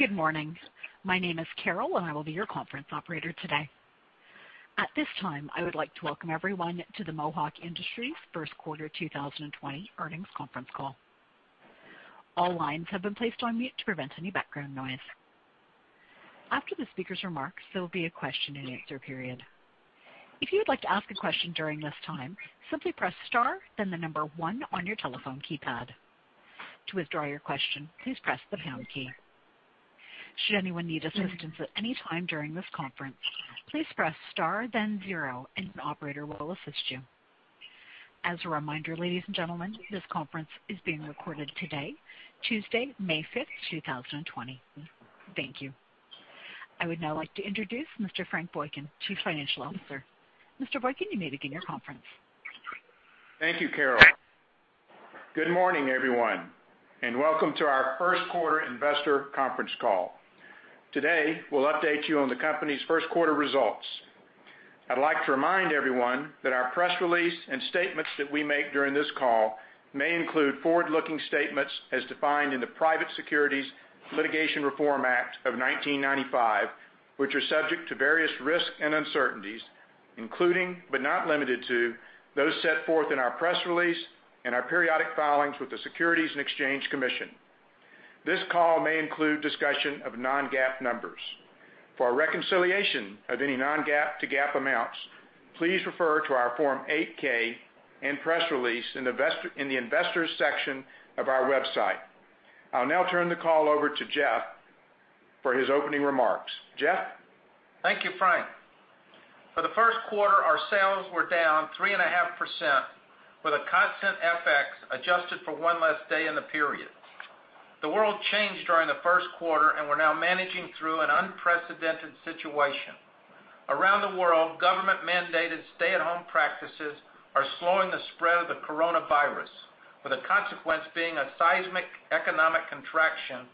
Good morning. My name is Carol, and I will be your conference operator today. At this time, I would like to welcome everyone to the Mohawk Industries first quarter 2020 earnings conference call. All lines have been placed on mute to prevent any background noise. After the speaker's remarks, there will be a question and answer period. If you would like to ask a question during this time, simply press star, then the number one on your telephone keypad. To withdraw your question, please press the pound key. Should anyone need assistance at any time during this conference, please press star, then zero, and an operator will assist you. As a reminder, ladies and gentlemen, this conference is being recorded today, Tuesday, May 5th, 2020. Thank you. I would now like to introduce Mr. Frank Boykin, Chief Financial Officer. Mr. Boykin, you may begin your conference. Thank you, Carol. Good morning, everyone, and welcome to our first quarter investor conference call. Today, we'll update you on the company's first quarter results. I'd like to remind everyone that our press release and statements that we make during this call may include forward-looking statements as defined in the Private Securities Litigation Reform Act of 1995, which are subject to various risks and uncertainties, including, but not limited to, those set forth in our press release and our periodic filings with the Securities and Exchange Commission. This call may include discussion of non-GAAP numbers. For a reconciliation of any non-GAAP to GAAP amounts, please refer to our Form 8-K and press release in the Investors section of our website. I'll now turn the call over to Jeff for his opening remarks. Jeff? Thank you, Frank. For the first quarter, our sales were down 3.5% with a constant FX adjusted for one less day in the period. The world changed during the first quarter. We're now managing through an unprecedented situation. Around the world, government-mandated stay-at-home practices are slowing the spread of the coronavirus, with the consequence being a seismic economic contraction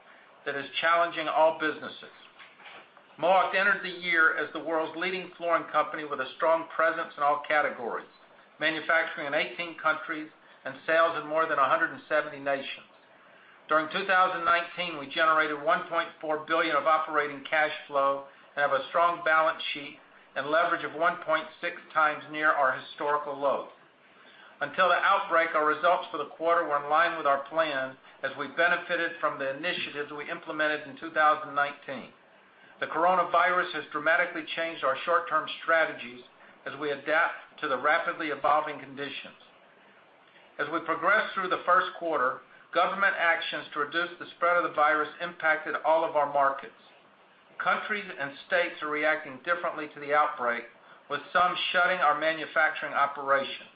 that is challenging all businesses. Mohawk entered the year as the world's leading Flooring company with a strong presence in all categories, manufacturing in 18 countries, and sales in more than 170 nations. During 2019, we generated $1.4 billion of operating cash flow and have a strong balance sheet and leverage of 1.6 times near our historical lows. Until the outbreak, our results for the quarter were in line with our plan as we benefited from the initiatives we implemented in 2019. The coronavirus has dramatically changed our short-term strategies as we adapt to the rapidly evolving conditions. As we progress through the first quarter, government actions to reduce the spread of the virus impacted all of our markets. Countries and states are reacting differently to the outbreak, with some shutting our manufacturing operations.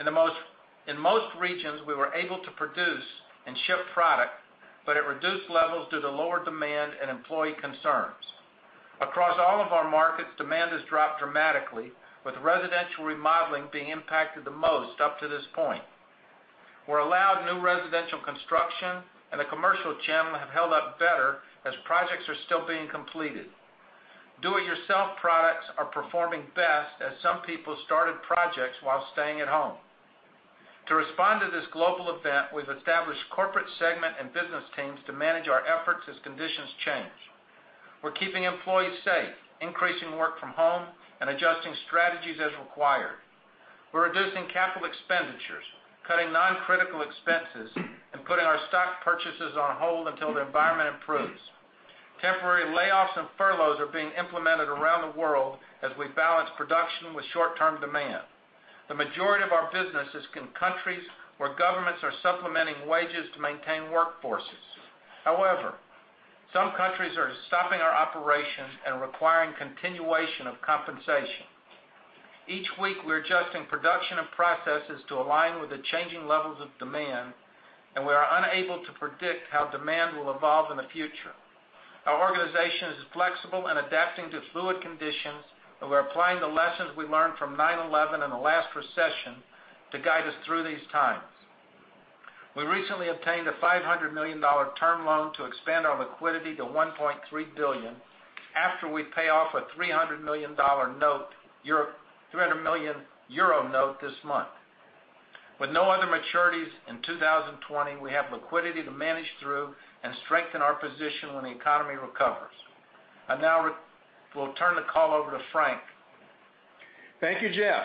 In most regions, we were able to produce and ship product, but at reduced levels due to lower demand and employee concerns. Across all of our markets, demand has dropped dramatically, with residential remodeling being impacted the most up to this point. Where allowed, new residential construction and the commercial channel have held up better as projects are still being completed. Do-it-yourself products are performing best as some people started projects while staying at home. To respond to this global event, we've established corporate segment and business teams to manage our efforts as conditions change. We're keeping employees safe, increasing work from home, and adjusting strategies as required. We're reducing capital expenditures, cutting non-critical expenses, and putting our stock purchases on hold until the environment improves. Temporary layoffs and furloughs are being implemented around the world as we balance production with short-term demand. The majority of our business is in countries where governments are supplementing wages to maintain workforces. However, some countries are stopping our operations and requiring continuation of compensation. Each week, we're adjusting production and processes to align with the changing levels of demand, and we are unable to predict how demand will evolve in the future. Our organization is flexible and adapting to fluid conditions, and we're applying the lessons we learned from 9/11 and the last recession to guide us through these times. We recently obtained a $500 million term loan to expand our liquidity to $1.3 billion after we pay off a EUR 300 million note this month. With no other maturities in 2020, we have liquidity to manage through and strengthen our position when the economy recovers. I now will turn the call over to Frank. Thank you, Jeff.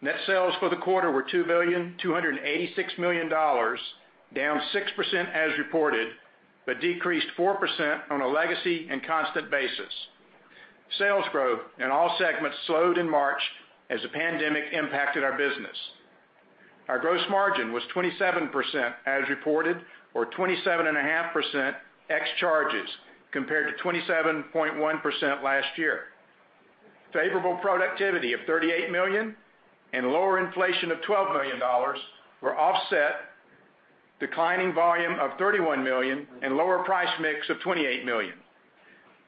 Net sales for the quarter were $2.286 billion, down 6% as reported, decreased 4% on a legacy and constant basis. Sales growth in all segments slowed in March as the pandemic impacted our business. Our gross margin was 27% as reported or 27.5% ex charges compared to 27.1% last year. Favorable productivity of $38 million and lower inflation of $12 million were offset declining volume of $31 million and lower price mix of $28 million.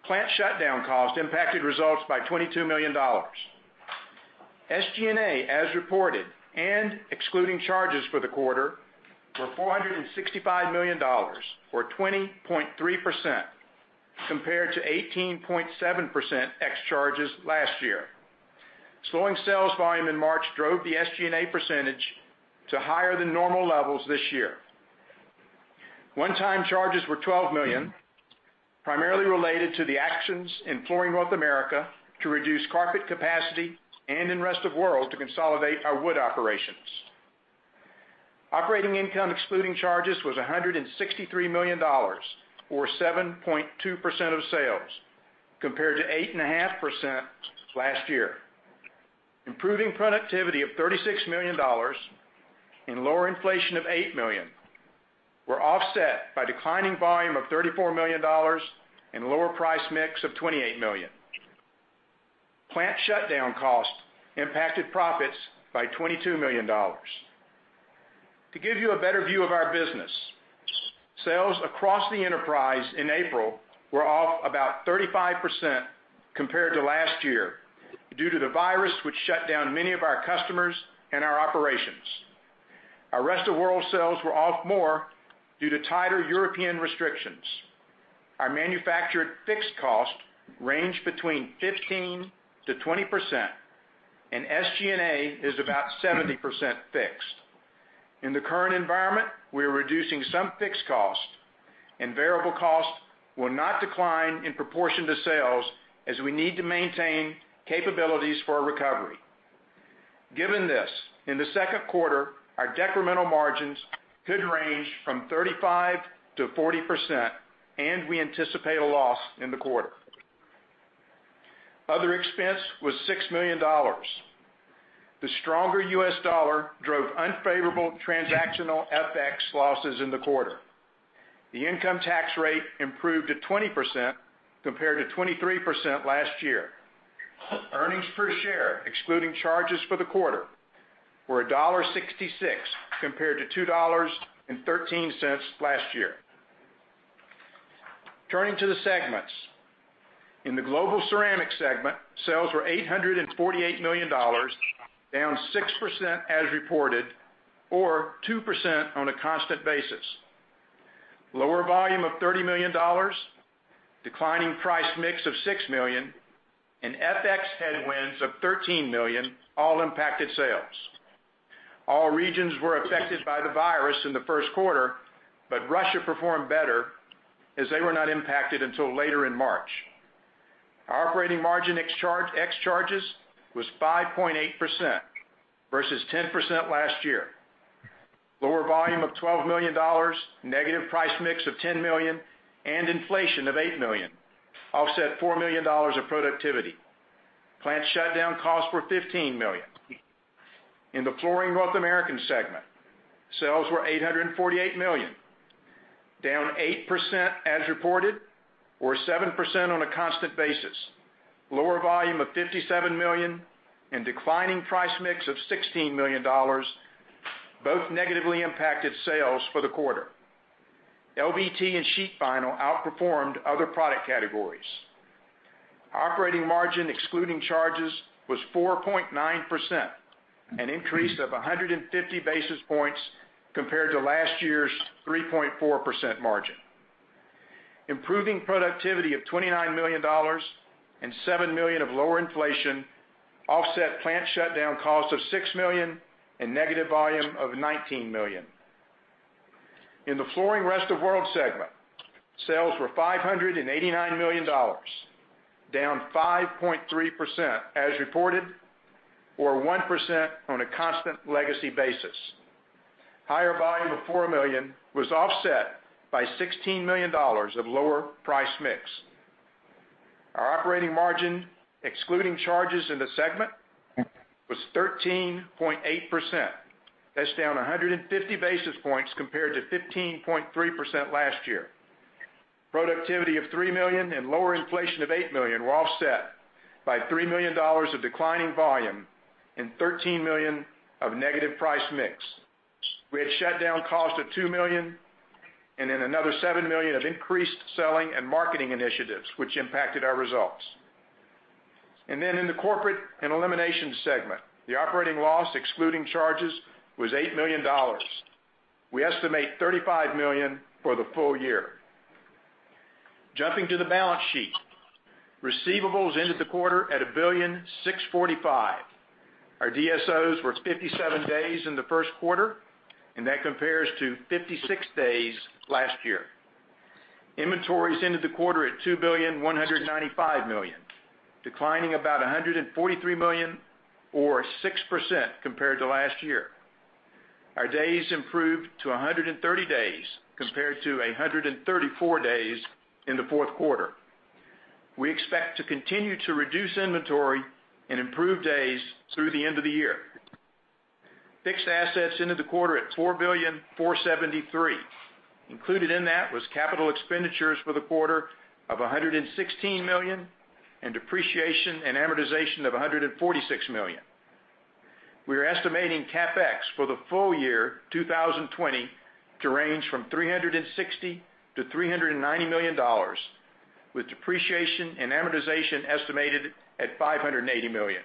Plant shutdown cost impacted results by $22 million. SG&A, as reported, and excluding charges for the quarter, were $465 million, or 20.3%, compared to 18.7% ex charges last year. Slowing sales volume in March drove the SG&A percentage to higher than normal levels this year. One-time charges were $12 million, primarily related to the actions in Flooring North America to reduce carpet capacity and in Rest of World to consolidate our wood operations. Operating income excluding charges was $163 million, or 7.2% of sales, compared to 8.5% last year. Improving productivity of $36 million and lower inflation of $8 million were offset by declining volume of $34 million and lower price mix of $28 million. Plant shutdown cost impacted profits by $22 million. To give you a better view of our business, sales across the enterprise in April were off about 35% compared to last year due to the virus, which shut down many of our customers and our operations. Our Rest of World sales were off more due to tighter European restrictions. Our manufactured fixed cost ranged between 15%-20%, and SG&A is about 70% fixed. In the current environment, we are reducing some fixed cost, and variable cost will not decline in proportion to sales, as we need to maintain capabilities for a recovery. Given this, in the second quarter, our decremental margins could range from 35%-40%, and we anticipate a loss in the quarter. Other expense was $6 million. The stronger U.S. dollar drove unfavorable transactional FX losses in the quarter. The income tax rate improved to 20% compared to 23% last year. Earnings per share, excluding charges for the quarter, were $1.66 compared to $2.13 last year. Turning to the segments. In the Global Ceramic segment, sales were $848 million, down 6% as reported, or 2% on a constant basis. Lower volume of $30 million, declining price mix of $6 million, and FX headwinds of $13 million all impacted sales. All regions were affected by the virus in the first quarter, but Russia performed better as they were not impacted until later in March. Our operating margin ex charges was 5.8% versus 10% last year. Lower volume of $12 million, negative price mix of $10 million, and inflation of $8 million offset $4 million of productivity. Plant shutdown costs were $15 million. In the Flooring North America segment, sales were $848 million, down 8% as reported, or 7% on a constant basis. Lower volume of $57 million and declining price mix of $16 million both negatively impacted sales for the quarter. LVT and sheet vinyl outperformed other product categories. Operating margin excluding charges was 4.9%, an increase of 150 basis points compared to last year's 3.4% margin. Improving productivity of $29 million and $7 million of lower inflation offset plant shutdown costs of $6 million and negative volume of $19 million. In the Flooring Rest of the World segment, sales were $589 million, down 5.3% as reported, or 1% on a constant legacy basis. Higher volume of $4 million was offset by $16 million of lower price mix. Our operating margin, excluding charges in the segment, was 13.8%. That's down 150 basis points compared to 15.3% last year. Productivity of $3 million and lower inflation of $8 million were offset by $3 million of declining volume and $13 million of negative price mix. We had shutdown cost of $2 million another $7 million of increased selling and marketing initiatives, which impacted our results. In the Corporate and Elimination segment, the operating loss excluding charges was $8 million. We estimate $35 million for the full year. Jumping to the balance sheet. Receivables ended the quarter at $1.645 billion. Our DSOs were 57 days in the first quarter, and that compares to 56 days last year. Inventories ended the quarter at $2,195 million, declining about $143 million or 6% compared to last year. Our days improved to 130 days compared to 134 days in the fourth quarter. We expect to continue to reduce inventory and improve days through the end of the year. Fixed assets ended the quarter at $4.473 billion. Included in that was capital expenditures for the quarter of $116 million and depreciation and amortization of $146 million. We are estimating CapEx for the full year 2020 to range from $360 million-$390 million, with depreciation and amortization estimated at $580 million.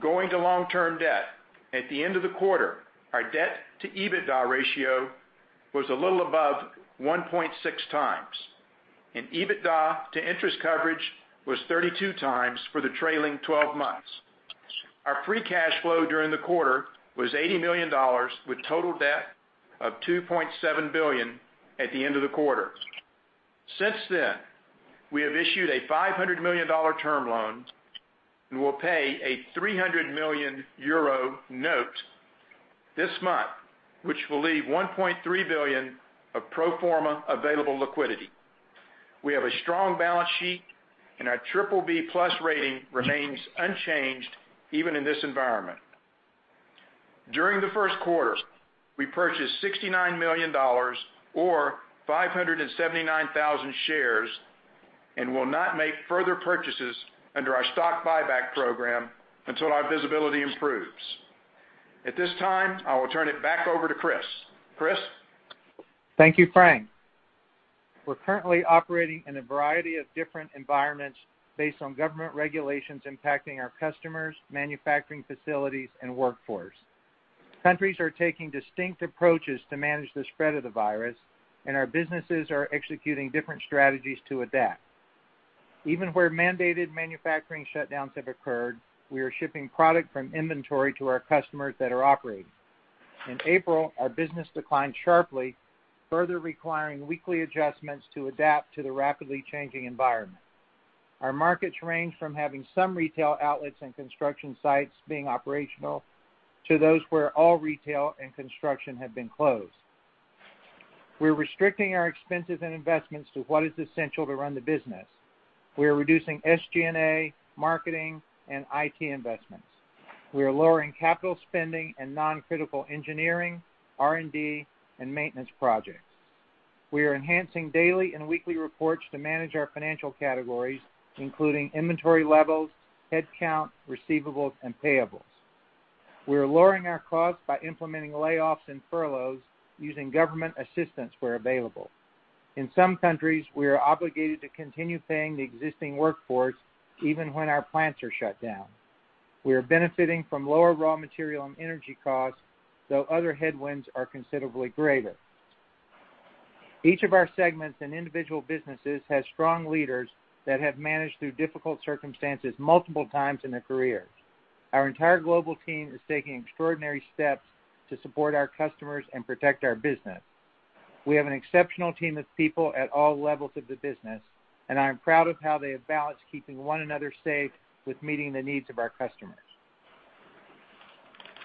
Going to long-term debt. At the end of the quarter, our debt to EBITDA ratio was a little above 1.6 times, and EBITDA to interest coverage was 32 times for the trailing 12 months. Our free cash flow during the quarter was $80 million, with total debt of $2.7 billion at the end of the quarter. Since then, we have issued a $500 million term loan and will pay a 300 million euro note this month, which will leave $1.3 billion of pro forma available liquidity. We have a strong balance sheet. Our BBB+ rating remains unchanged even in this environment. During the first quarter, we purchased $69 million or 579,000 shares and will not make further purchases under our stock buyback program until our visibility improves. At this time, I will turn it back over to Chris. Chris? Thank you, Frank. We're currently operating in a variety of different environments based on government regulations impacting our customers, manufacturing facilities, and workforce. Countries are taking distinct approaches to manage the spread of the virus, and our businesses are executing different strategies to adapt. Even where mandated manufacturing shutdowns have occurred, we are shipping product from inventory to our customers that are operating. In April, our business declined sharply, further requiring weekly adjustments to adapt to the rapidly changing environment. Our markets range from having some retail outlets and construction sites being operational to those where all retail and construction have been closed. We're restricting our expenses and investments to what is essential to run the business. We are reducing SG&A, marketing, and IT investments. We are lowering capital spending and non-critical engineering, R&D, and maintenance projects. We are enhancing daily and weekly reports to manage our financial categories, including inventory levels, headcount, receivables, and payables. We are lowering our costs by implementing layoffs and furloughs using government assistance where available. In some countries, we are obligated to continue paying the existing workforce even when our plants are shut down. We are benefiting from lower raw material and energy costs, though other headwinds are considerably greater. Each of our segments and individual businesses has strong leaders that have managed through difficult circumstances multiple times in their careers. Our entire global team is taking extraordinary steps to support our customers and protect our business. We have an exceptional team of people at all levels of the business, and I am proud of how they have balanced keeping one another safe with meeting the needs of our customers.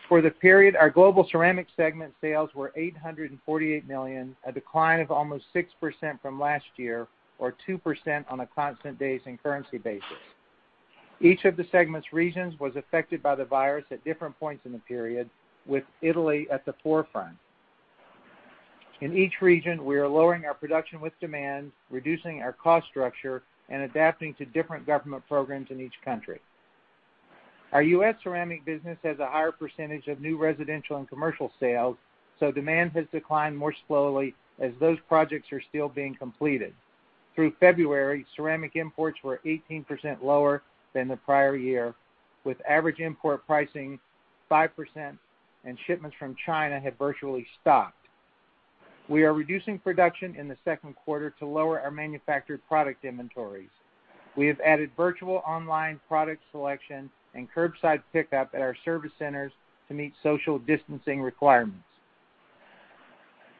For the period, our Global Ceramic segment sales were $848 million, a decline of almost 6% from last year or 2% on a constant currency basis. Each of the segment's regions was affected by the virus at different points in the period, with Italy at the forefront. In each region, we are lowering our production with demand, reducing our cost structure, and adapting to different government programs in each country. Our U.S. Ceramic business has a higher percentage of new residential and commercial sales. Demand has declined more slowly as those projects are still being completed. Through February, ceramic imports were 18% lower than the prior year, with average import pricing 5%. Shipments from China had virtually stopped. We are reducing production in the second quarter to lower our manufactured product inventories. We have added virtual online product selection and curbside pickup at our service centers to meet social distancing requirements.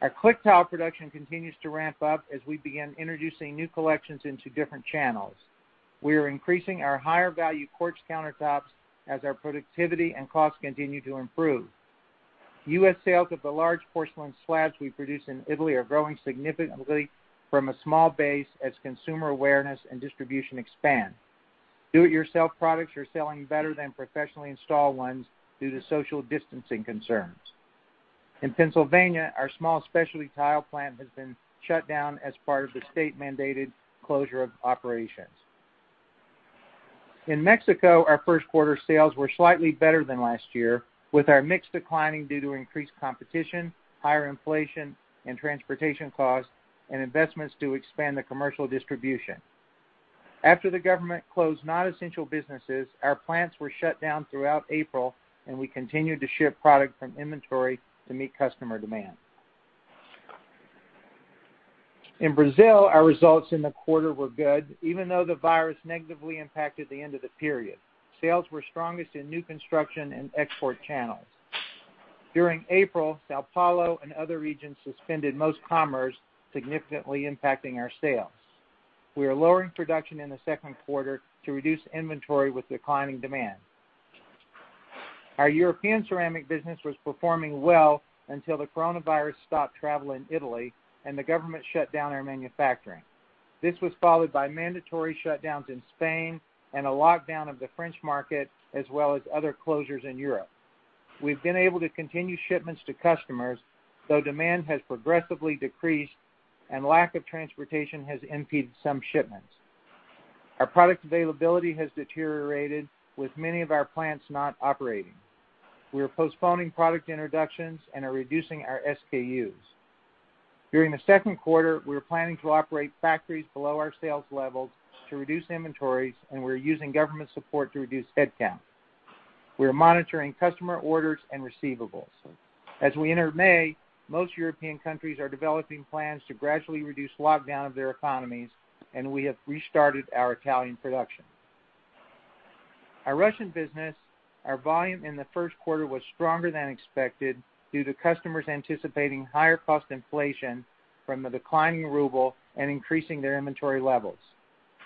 Our click tile production continues to ramp up as we begin introducing new collections into different channels. We are increasing our higher-value quartz countertops as our productivity and costs continue to improve. U.S. sales of the large porcelain slabs we produce in Italy are growing significantly from a small base as consumer awareness and distribution expand. Do-it-yourself products are selling better than professionally installed ones due to social distancing concerns. In Pennsylvania, our small specialty tile plant has been shut down as part of the state-mandated closure of operations. In Mexico, our first quarter sales were slightly better than last year, with our mix declining due to increased competition, higher inflation and transportation costs, and investments to expand the commercial distribution. After the government closed non-essential businesses, our plants were shut down throughout April. We continued to ship product from inventory to meet customer demand. In Brazil, our results in the quarter were good, even though the virus negatively impacted the end of the period. Sales were strongest in new construction and export channels. During April, São Paulo and other regions suspended most commerce, significantly impacting our sales. We are lowering production in the second quarter to reduce inventory with declining demand. Our European Ceramic business was performing well until the coronavirus stopped travel in Italy and the government shut down our manufacturing. This was followed by mandatory shutdowns in Spain and a lockdown of the French market, as well as other closures in Europe. We've been able to continue shipments to customers, though demand has progressively decreased, and lack of transportation has impeded some shipments. Our product availability has deteriorated with many of our plants not operating. We are postponing product introductions and are reducing our SKUs. During the second quarter, we are planning to operate factories below our sales levels to reduce inventories, and we are using government support to reduce headcount. We are monitoring customer orders and receivables. As we enter May, most European countries are developing plans to gradually reduce lockdown of their economies, and we have restarted our Italian production. Our Russian business, our volume in the first quarter was stronger than expected due to customers anticipating higher cost inflation from the declining ruble and increasing their inventory levels.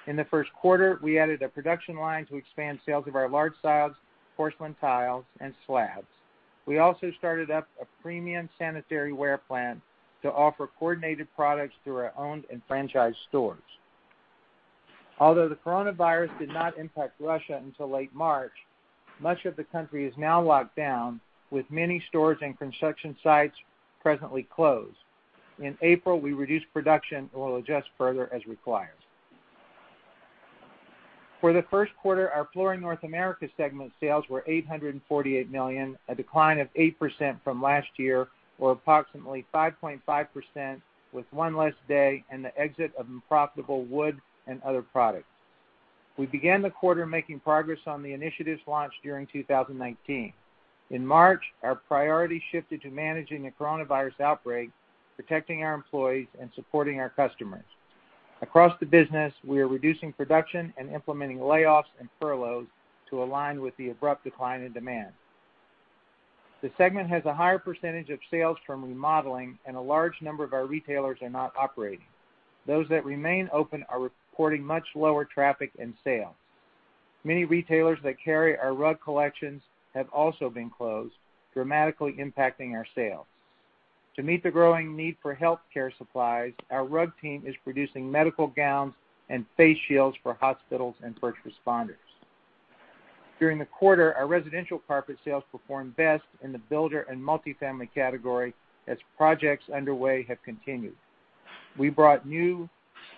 In the first quarter, we added a production line to expand sales of our large tiles, porcelain tiles, and slabs. We also started up a premium sanitary ware plant to offer coordinated products through our owned and franchised stores. Although the COVID-19 did not impact Russia until late March, much of the country is now locked down, with many stores and construction sites presently closed. In April, we reduced production and will adjust further as required. For the first quarter, our Flooring North America segment sales were $848 million, a decline of 8% from last year or approximately 5.5% with one less day and the exit of unprofitable wood and other products. We began the quarter making progress on the initiatives launched during 2019. In March, our priority shifted to managing the COVID-19 outbreak, protecting our employees, and supporting our customers. Across the business, we are reducing production and implementing layoffs and furloughs to align with the abrupt decline in demand. The segment has a higher percentage of sales from remodeling, and a large number of our retailers are not operating. Those that remain open are reporting much lower traffic and sales. Many retailers that carry our rug collections have also been closed, dramatically impacting our sales. To meet the growing need for healthcare supplies, our rug team is producing medical gowns and face shields for hospitals and first responders. During the quarter, our residential carpet sales performed best in the builder and multifamily category, as projects underway have continued. We brought new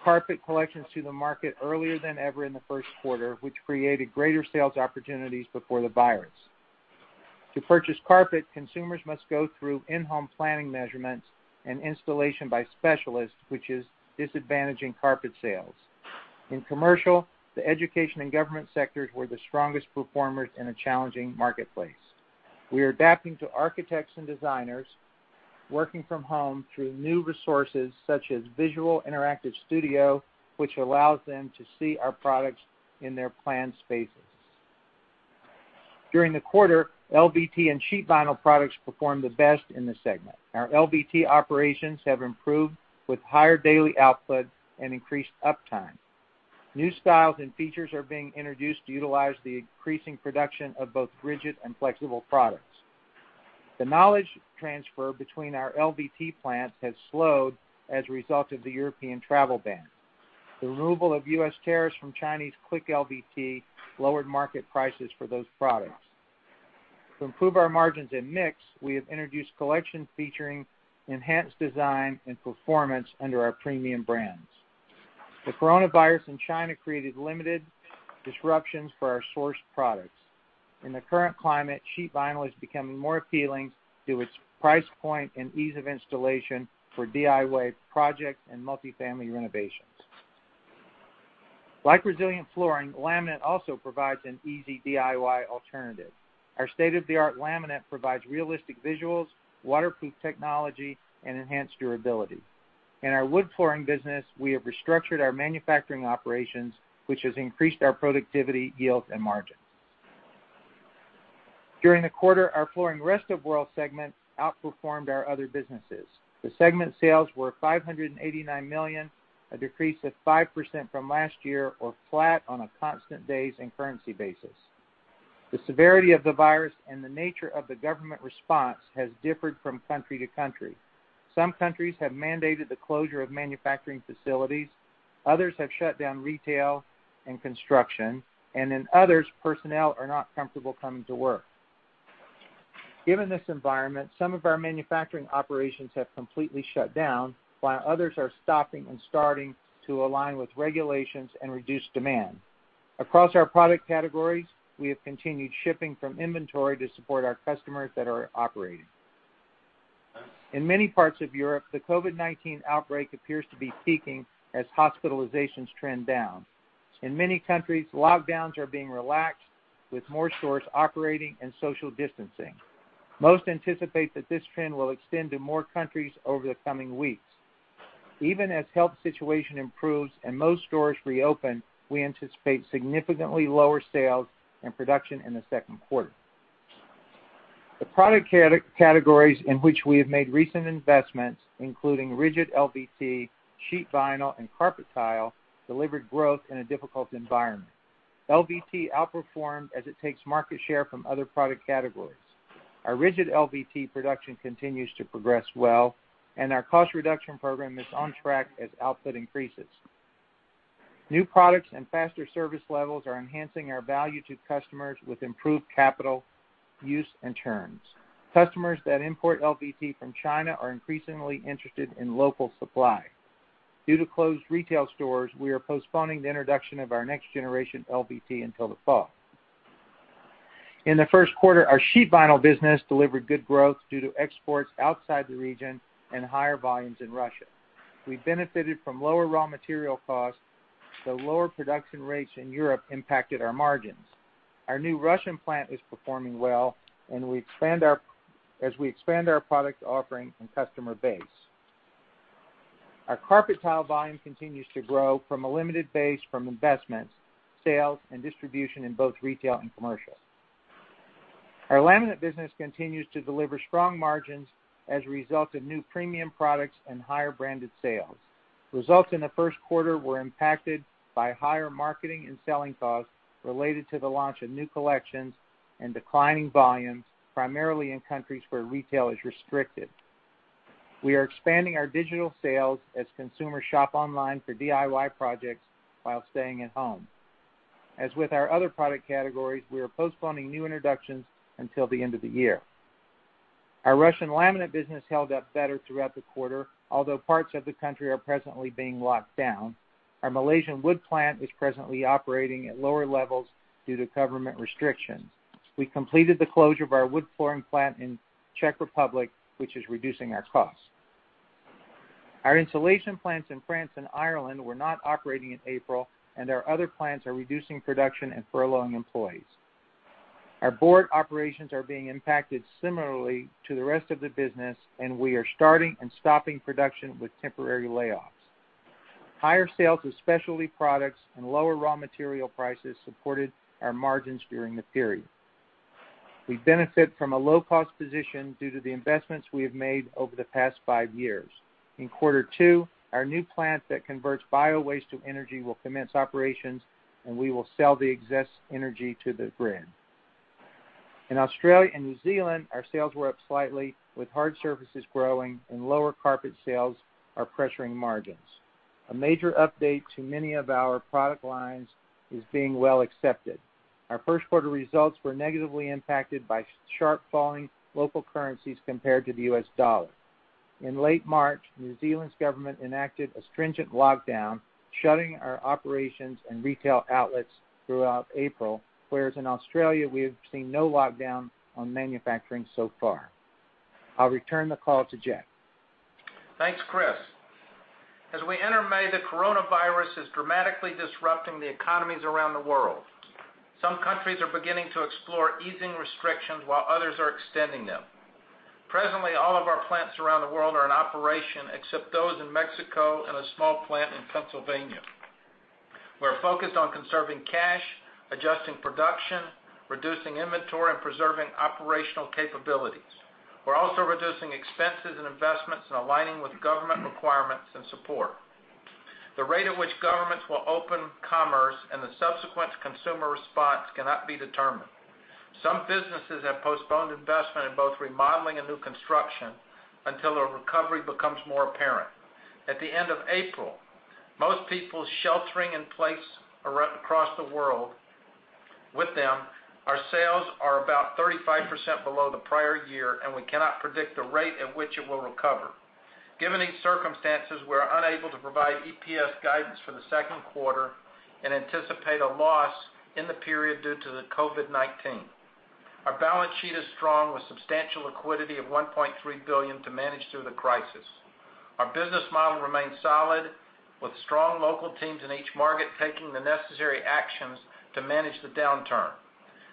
carpet collections to the market earlier than ever in the first quarter, which created greater sales opportunities before the virus. To purchase carpet, consumers must go through in-home planning measurements and installation by specialists, which is disadvantaging carpet sales. In commercial, the education and government sectors were the strongest performers in a challenging marketplace. We are adapting to architects and designers working from home through new resources such as Visual Interactive Studio, which allows them to see our products in their planned spaces. During the quarter, LVT and sheet vinyl products performed the best in the segment. Our LVT operations have improved with higher daily output and increased uptime. New styles and features are being introduced to utilize the increasing production of both rigid and flexible products. The knowledge transfer between our LVT plants has slowed as a result of the European travel ban. The removal of U.S. tariffs from Chinese click LVT lowered market prices for those products. To improve our margins and mix, we have introduced collections featuring enhanced design and performance under our premium brands. The coronavirus in China created limited disruptions for our sourced products. In the current climate, sheet vinyl is becoming more appealing due to its price point and ease of installation for DIY projects and multifamily renovations. Like resilient flooring, laminate also provides an easy DIY alternative. Our state-of-the-art laminate provides realistic visuals, waterproof technology, and enhanced durability. In our wood flooring business, we have restructured our manufacturing operations, which has increased our productivity, yield, and margins. During the quarter, our Flooring Rest of the World segment outperformed our other businesses. The segment sales were $589 million, a decrease of 5% from last year or flat on a constant days and currency basis. The severity of the virus and the nature of the government response has differed from country to country. Some countries have mandated the closure of manufacturing facilities, others have shut down retail and construction, and in others, personnel are not comfortable coming to work. Given this environment, some of our manufacturing operations have completely shut down, while others are stopping and starting to align with regulations and reduce demand. Across our product categories, we have continued shipping from inventory to support our customers that are operating. In many parts of Europe, the COVID-19 outbreak appears to be peaking as hospitalizations trend down. In many countries, lockdowns are being relaxed, with more stores operating and social distancing. Most anticipate that this trend will extend to more countries over the coming weeks. Even as health situation improves and most stores reopen, we anticipate significantly lower sales and production in the second quarter. The product categories in which we have made recent investments, including rigid LVT, sheet vinyl, and carpet tile, delivered growth in a difficult environment. LVT outperformed as it takes market share from other product categories. Our rigid LVT production continues to progress well. Our cost reduction program is on track as output increases. New products and faster service levels are enhancing our value to customers with improved capital use and turns. Customers that import LVT from China are increasingly interested in local supply. Due to closed retail stores, we are postponing the introduction of our next-generation LVT until the fall. In the first quarter, our sheet vinyl business delivered good growth due to exports outside the region and higher volumes in Russia. We benefited from lower raw material costs, though lower production rates in Europe impacted our margins. Our new Russian plant is performing well as we expand our product offering and customer base. Our carpet tile volume continues to grow from a limited base from investments, sales, and distribution in both retail and commercial. Our Laminate business continues to deliver strong margins as a result of new premium products and higher branded sales. Results in the first quarter were impacted by higher marketing and selling costs related to the launch of new collections and declining volumes, primarily in countries where retail is restricted. We are expanding our digital sales as consumers shop online for DIY projects while staying at home. As with our other product categories, we are postponing new introductions until the end of the year. Our Russian Laminate business held up better throughout the quarter, although parts of the country are presently being locked down. Our Malaysian wood plant is presently operating at lower levels due to government restrictions. We completed the closure of our wood flooring plant in Czech Republic, which is reducing our costs. Our insulation plants in France and Ireland were not operating in April, and our other plants are reducing production and furloughing employees. Our Board operations are being impacted similarly to the rest of the business, and we are starting and stopping production with temporary layoffs. Higher sales of specialty products and lower raw material prices supported our margins during the period. We benefit from a low-cost position due to the investments we have made over the past five years. In quarter two, our new plant that converts biowaste to energy will commence operations, and we will sell the excess energy to the grid. In Australia and New Zealand, our sales were up slightly with hard surfaces growing and lower carpet sales are pressuring margins. A major update to many of our product lines is being well accepted. Our first quarter results were negatively impacted by sharp falling local currencies compared to the U.S. dollar. In late March, New Zealand's government enacted a stringent lockdown, shutting our operations and retail outlets throughout April, whereas in Australia, we have seen no lockdown on manufacturing so far. I'll return the call to Jeff. Thanks, Chris. As we enter May, the coronavirus is dramatically disrupting the economies around the world. Some countries are beginning to explore easing restrictions while others are extending them. Presently, all of our plants around the world are in operation except those in Mexico and a small plant in Pennsylvania. We're focused on conserving cash, adjusting production, reducing inventory, and preserving operational capabilities. We're also reducing expenses and investments and aligning with government requirements and support. The rate at which governments will open commerce and the subsequent consumer response cannot be determined. Some businesses have postponed investment in both remodeling and new construction until a recovery becomes more apparent. At the end of April, most people sheltering in place across the world. With them, our sales are about 35% below the prior year, and we cannot predict the rate at which it will recover. Given these circumstances, we are unable to provide EPS guidance for the second quarter and anticipate a loss in the period due to the COVID-19. Our balance sheet is strong with substantial liquidity of $1.3 billion to manage through the crisis. Our business model remains solid, with strong local teams in each market taking the necessary actions to manage the downturn.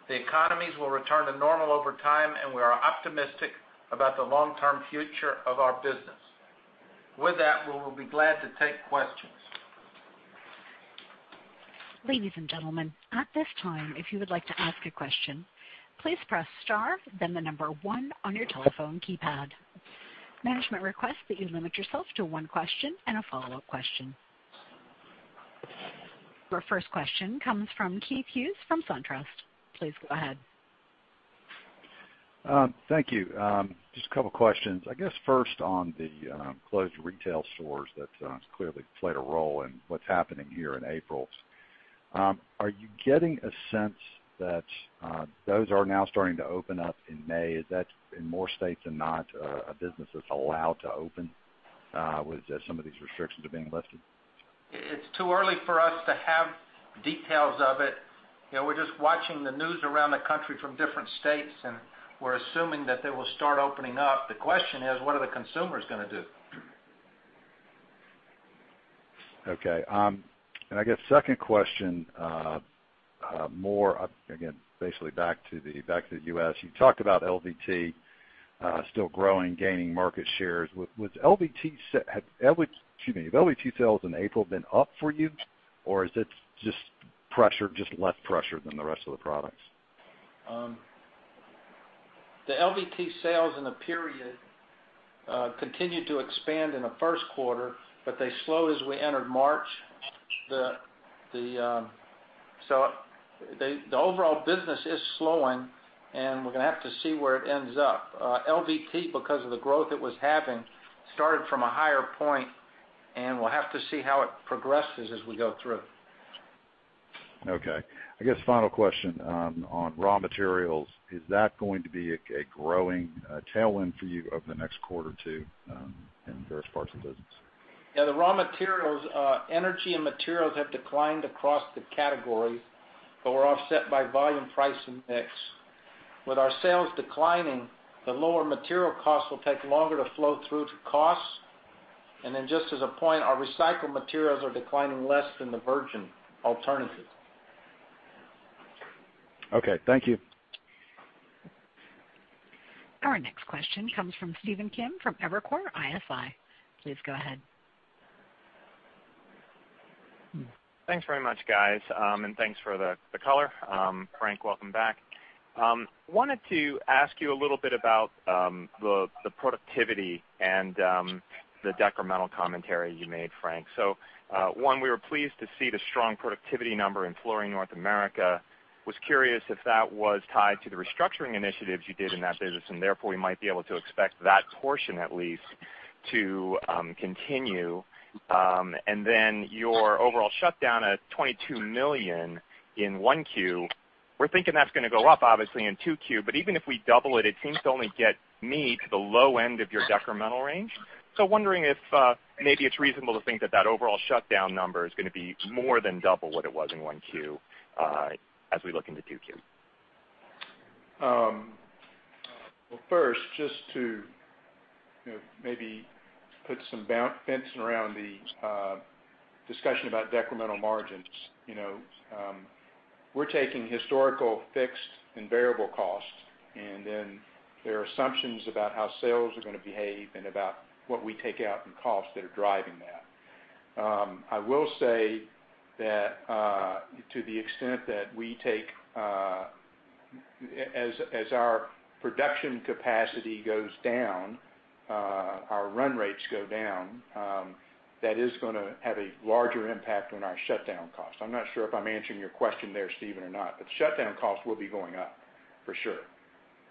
The economies will return to normal over time, and we are optimistic about the long-term future of our business. With that, we will be glad to take questions. Ladies and gentlemen, at this time, if you would like to ask a question, please press star, then the number one on your telephone keypad. Management requests that you limit yourself to one question and a follow-up question. Your first question comes from Keith Hughes from SunTrust. Please go ahead. Thank you. Just a couple of questions. I guess first on the closed retail stores, that's clearly played a role in what's happening here in April. Are you getting a sense that those are now starting to open up in May? Is that in more states than not, are businesses allowed to open with some of these restrictions are being lifted? It's too early for us to have details of it. We're just watching the news around the country from different states, and we're assuming that they will start opening up. The question is, what are the consumers going to do? Okay. I guess second question, more, again, basically back to the U.S. You talked about LVT still growing, gaining market shares. Have LVT sales in April been up for you, or is it just less pressure than the rest of the products? The LVT sales in the period continued to expand in the first quarter. They slowed as we entered March. The overall business is slowing, and we're going to have to see where it ends up. LVT, because of the growth it was having, started from a higher point, and we'll have to see how it progresses as we go through. Okay. I guess final question on raw materials. Is that going to be a growing tailwind for you over the next quarter, too, in various parts of the business? Yeah, the raw materials, energy and materials have declined across the category, were offset by volume price and mix. With our sales declining, the lower material costs will take longer to flow through to costs. Just as a point, our recycled materials are declining less than the virgin alternatives. Okay. Thank you. Our next question comes from Stephen Kim from Evercore ISI. Please go ahead. Thanks very much, guys, and thanks for the color. Frank, welcome back. Wanted to ask you a little bit about the productivity and the decremental commentary you made, Frank. One, we were pleased to see the strong productivity number in Flooring North America. Was curious if that was tied to the restructuring initiatives you did in that business, and therefore, we might be able to expect that portion at least to continue. Then your overall shutdown at $22 million in 1Q, we're thinking that's going to go up obviously in 2Q, but even if we double it seems to only get me to the low end of your decremental range. Wondering if maybe it's reasonable to think that overall shutdown number is going to be more than double what it was in 1Q, as we look into 2Q. Well, first, just to maybe put some fencing around the discussion about decremental margins. We're taking historical fixed and variable costs, and then there are assumptions about how sales are going to behave and about what we take out in costs that are driving that. I will say that to the extent that as our production capacity goes down, our run rates go down, that is going to have a larger impact on our shutdown costs. I'm not sure if I'm answering your question there, Stephen, or not. Shutdown costs will be going up, for sure.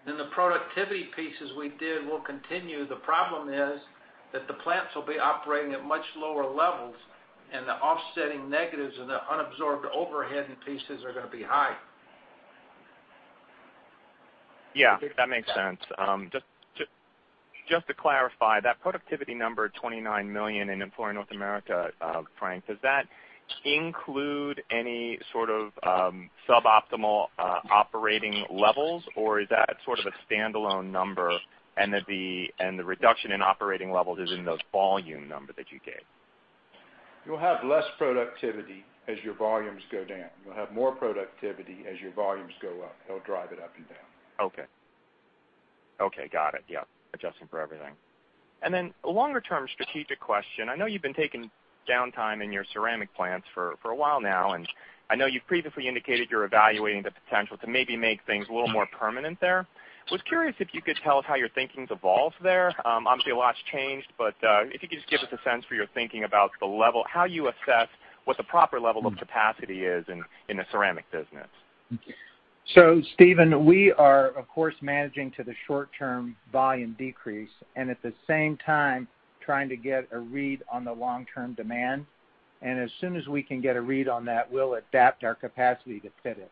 The productivity pieces we did will continue. The problem is that the plants will be operating at much lower levels, and the offsetting negatives and the unabsorbed overhead and pieces are going to be high. Yeah, that makes sense. Just to clarify that productivity number, $29 million in Flooring North America, Frank, does that include any sort of suboptimal operating levels, or is that sort of a standalone number and the reduction in operating levels is in those volume numbers that you gave? You'll have less productivity as your volumes go down. You'll have more productivity as your volumes go up. It'll drive it up and down. Okay. Got it. Yeah. Adjusting for everything. Then a longer-term strategic question. I know you've been taking downtime in your ceramic plants for a while now, and I know you've previously indicated you're evaluating the potential to maybe make things a little more permanent there. Was curious if you could tell us how your thinking's evolved there. Obviously, a lot's changed, but if you could just give us a sense for your thinking about the level, how you assess what the proper level of capacity is in the Ceramic business. Stephen, we are, of course, managing to the short-term volume decrease and at the same time trying to get a read on the long-term demand. As soon as we can get a read on that, we'll adapt our capacity to fit it.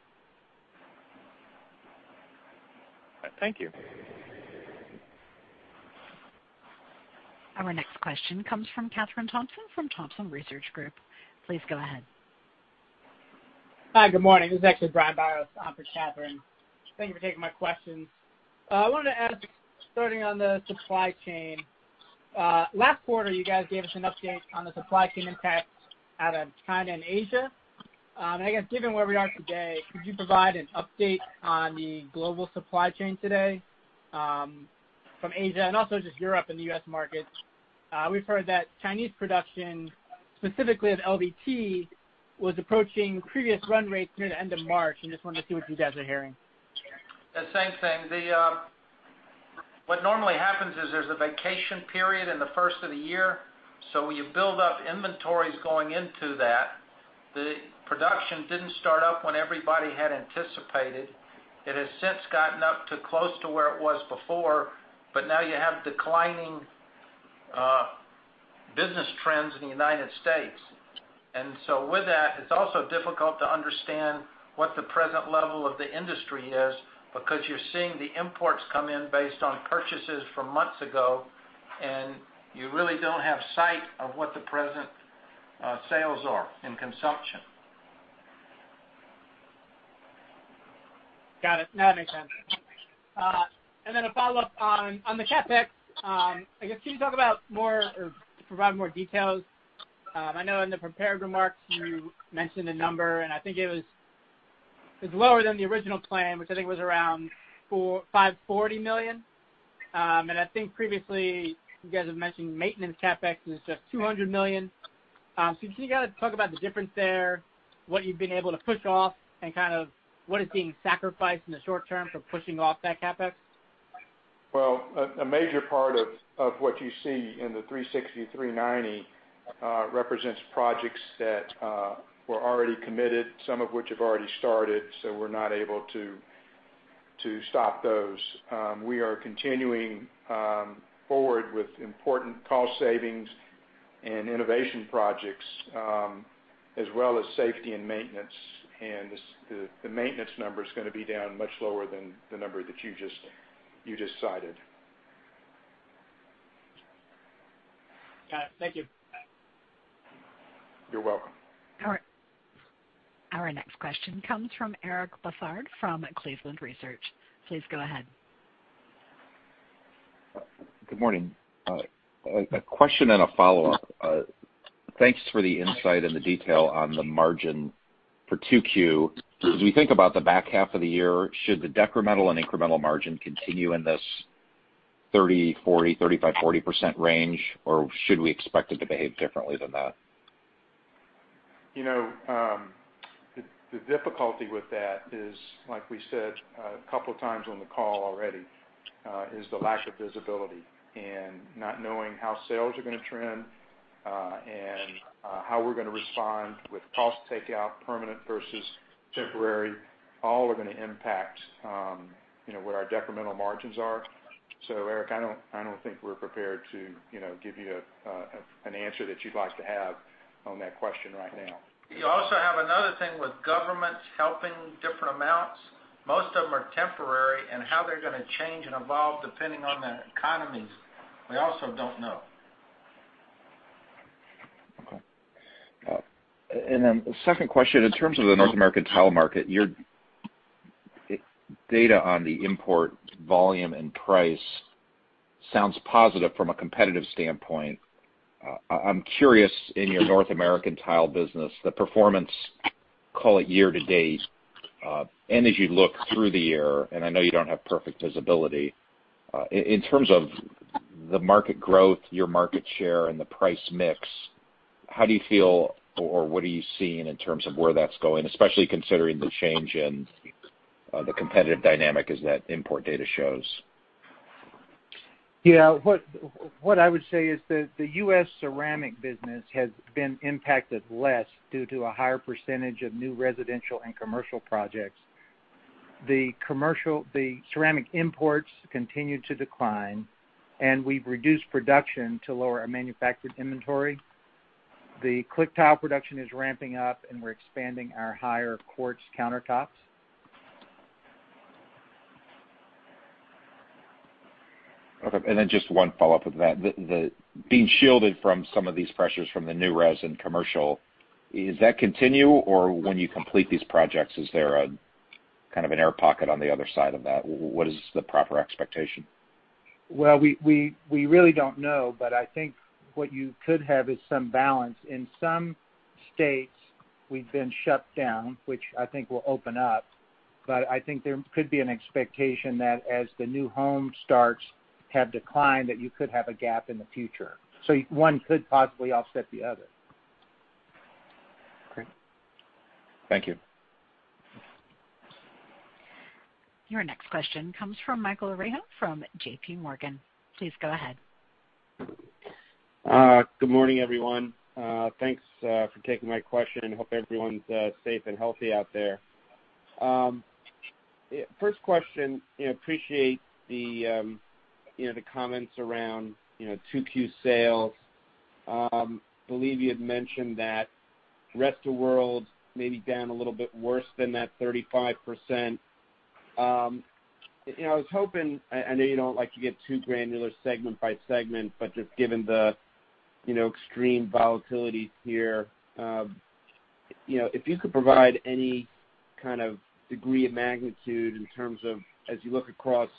Thank you. Our next question comes from Kathryn Thompson from Thompson Research Group. Please go ahead. Hi. Good morning. This is actually Brian Biros for Kathryn. Thank you for taking my questions. I wanted to ask, starting on the supply chain. Last quarter, you guys gave us an update on the supply chain impact out of China and Asia. I guess, given where we are today, could you provide an update on the global supply chain today from Asia and also just Europe and the U.S. market? We've heard that Chinese production, specifically of LVT, was approaching previous run rates near the end of March, and just wanted to see what you guys are hearing. The same thing. What normally happens is there's a vacation period in the first of the year, so you build up inventories going into that. The production didn't start up when everybody had anticipated. It has since gotten up to close to where it was before, but now you have declining business trends in the United States. With that, it's also difficult to understand what the present level of the industry is because you're seeing the imports come in based on purchases from months ago, and you really don't have sight of what the present sales are in consumption. Got it. No, that makes sense. Then a follow-up on the CapEx. I guess, can you talk about more or provide more details? I know in the prepared remarks you mentioned a number, and I think it's lower than the original plan, which I think was around $540 million. I think previously you guys have mentioned maintenance CapEx was just $200 million. Can you guys talk about the difference there, what you've been able to push off, and kind of what is being sacrificed in the short term for pushing off that CapEx? Well, a major part of what you see in the $360-$390 represents projects that were already committed, some of which have already started. We're not able to stop those. We are continuing forward with important cost savings and innovation projects, as well as safety and maintenance. The maintenance number is going to be down much lower than the number that you decided. Yeah, thank you. You're welcome. All right. Our next question comes from Eric Bosshard from Cleveland Research. Please go ahead. Good morning. A question and a follow-up. Thanks for the insight and the detail on the margin for 2Q. As we think about the back half of the year, should the decremental and incremental margin continue in this 30%-40%, 35%-40% range, or should we expect it to behave differently than that? The difficulty with that is, like we said a couple of times on the call already, is the lack of visibility and not knowing how sales are going to trend, and how we're going to respond with cost takeout, permanent versus temporary. All are going to impact what our decremental margins are. Eric, I don't think we're prepared to give you an answer that you'd like to have on that question right now. You also have another thing with governments helping different amounts. Most of them are temporary, and how they're going to change and evolve depending on the economies, we also don't know. Okay. The second question, in terms of the North American tile market, your data on the import volume and price sounds positive from a competitive standpoint. I'm curious, in your North American tile business, the performance, call it year-to-date, and as you look through the year, and I know you don't have perfect visibility. In terms of the market growth, your market share, and the price mix, how do you feel or what are you seeing in terms of where that's going, especially considering the change in the competitive dynamic as that import data shows? Yeah. What I would say is that the U.S. Ceramic business has been impacted less due to a higher percentage of new residential and commercial projects. The ceramic imports continue to decline, and we've reduced production to lower our manufactured inventory. The click tile production is ramping up, and we're expanding our higher quartz countertops. Okay, just one follow-up with that. Being shielded from some of these pressures from the new res and commercial, does that continue, or when you complete these projects, is there a kind of an air pocket on the other side of that? What is the proper expectation? Well, we really don't know, but I think what you could have is some balance. In some states, we've been shut down, which I think will open up. I think there could be an expectation that as the new home starts have declined, that you could have a gap in the future. One could possibly offset the other. Great. Thank you. Your next question comes from Michael Rehaut from JPMorgan. Please go ahead. Good morning, everyone. Thanks for taking my question. Hope everyone's safe and healthy out there. First question, appreciate the comments around 2Q sales. Believe you had mentioned that Flooring Rest of the World may be down a little bit worse than that 35%. I was hoping, I know you don't like to get too granular segment by segment, but just given the extreme volatility here. If you could provide any kind of degree of magnitude in terms of as you look across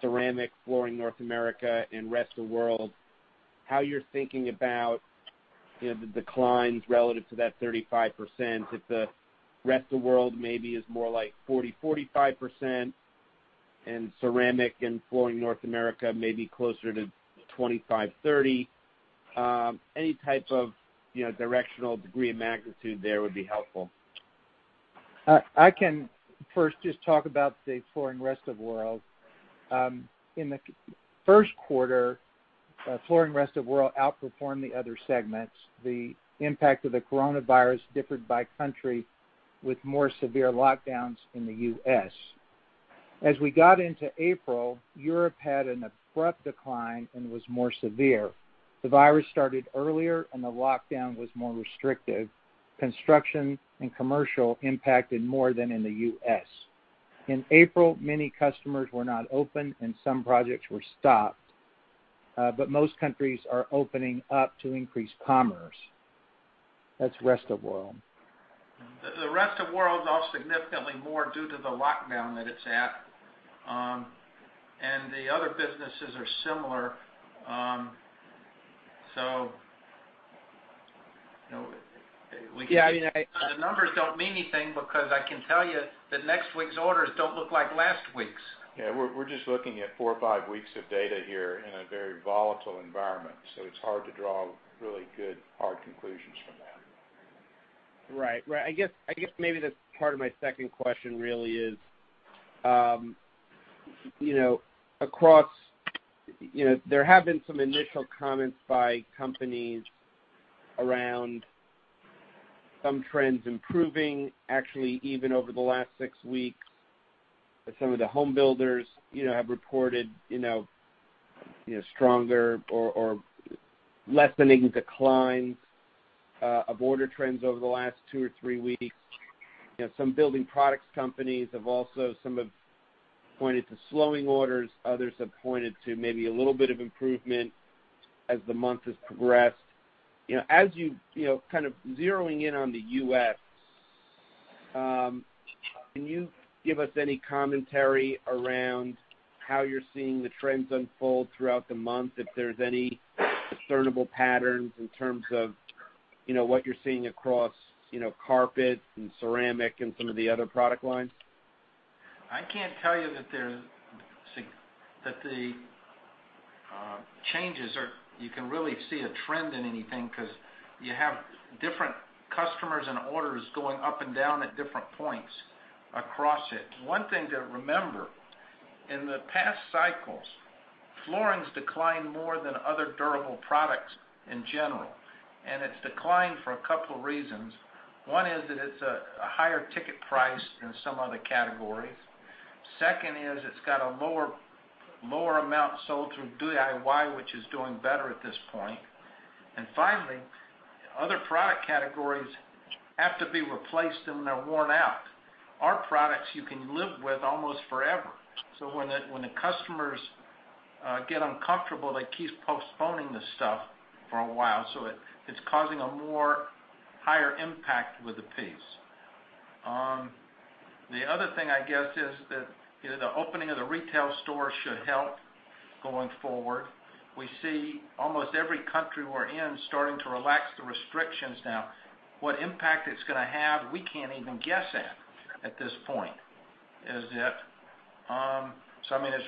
Global Ceramic, Flooring North America, and Flooring Rest of the World, how you're thinking about the declines relative to that 35%, if the Flooring Rest of the World maybe is more like 40%-45%, and Global Ceramic and Flooring North America may be closer to 25%-30%. Any type of directional degree of magnitude there would be helpful. I can first just talk about the Flooring Rest of the World. In the first quarter, Flooring Rest of the World outperformed the other segments. The impact of the coronavirus differed by country with more severe lockdowns in the U.S. We got into April, Europe had an abrupt decline and was more severe. The virus started earlier, the lockdown was more restrictive. Construction and commercial impacted more than in the U.S. In April, many customers were not open, some projects were stopped. Most countries are opening up to increase commerce. That's rest of world. The Rest of World lost significantly more due to the lockdown that it's at. The other businesses are similar. The numbers don't mean anything because I can tell you that next week's orders don't look like last week's. Yeah, we're just looking at four or five weeks of data here in a very volatile environment, so it's hard to draw really good, hard conclusions from that. Right. I guess maybe that's part of my second question really is there have been some initial comments by companies around some trends improving, actually even over the last 6 weeks, that some of the home builders have reported stronger or lessening declines of order trends over the last two or three weeks. Some building products companies have also, some have pointed to slowing orders, others have pointed to maybe a little bit of improvement as the month has progressed. Kind of zeroing in on the U.S., can you give us any commentary around how you're seeing the trends unfold throughout the month, if there's any discernible patterns in terms of what you're seeing across carpet and ceramic and some of the other product lines? I can't tell you that the changes are, you can really see a trend in anything because you have different customers and orders going up and down at different points across it. One thing to remember, in the past cycles, flooring's declined more than other durable products in general, and it's declined for a couple of reasons. One is that it's a higher ticket price than some other categories. Second is it's got a lower amount sold through DIY, which is doing better at this point. Finally, other product categories have to be replaced when they're worn out. Our products you can live with almost forever. When the customers get uncomfortable, they keep postponing the stuff for a while, so it's causing a more higher impact with the pace. The other thing, I guess, is that the opening of the retail store should help going forward. We see almost every country we're in starting to relax the restrictions now. What impact it's going to have, we can't even guess at this point. It's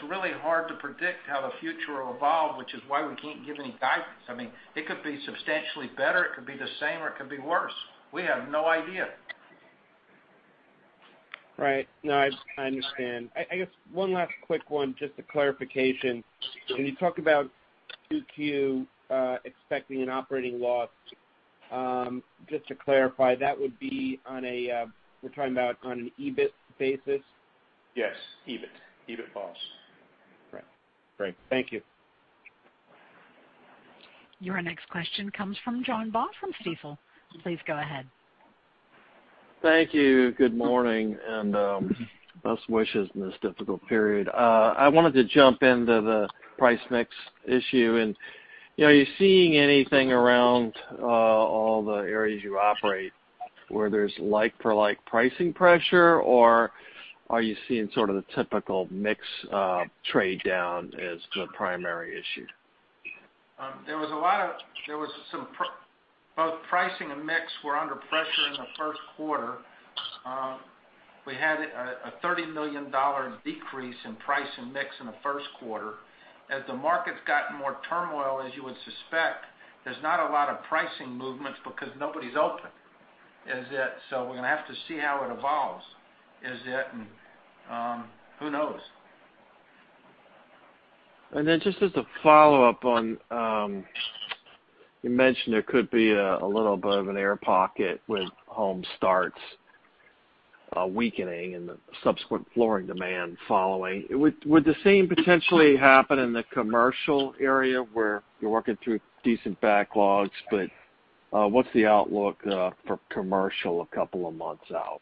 really hard to predict how the future will evolve, which is why we can't give any guidance. It could be substantially better, it could be the same, or it could be worse. We have no idea. Right. No, I understand. I guess one last quick one, just a clarification. When you talk about 2Q, expecting an operating loss, just to clarify, that would be on a, we're talking about on an EBIT basis? Yes. EBIT. EBIT falls. Right. Great. Thank you. Your next question comes from John Baugh from Stifel. Please go ahead. Thank you. Good morning. Best wishes in this difficult period. I wanted to jump into the price mix issue. Are you seeing anything around all the areas you operate where there's like-for-like pricing pressure, or are you seeing sort of the typical mix trade down as the primary issue? Both pricing and mix were under pressure in the first quarter. We had a $30 million decrease in price and mix in the first quarter. The market's gotten more turmoil, as you would suspect, there's not a lot of pricing movements because nobody's open. We're going to have to see how it evolves. Who knows? Just as a follow-up on, you mentioned there could be a little bit of an air pocket with home starts weakening and the subsequent flooring demand following. Would the same potentially happen in the commercial area where you're working through decent backlogs, but what's the outlook for commercial a couple of months out?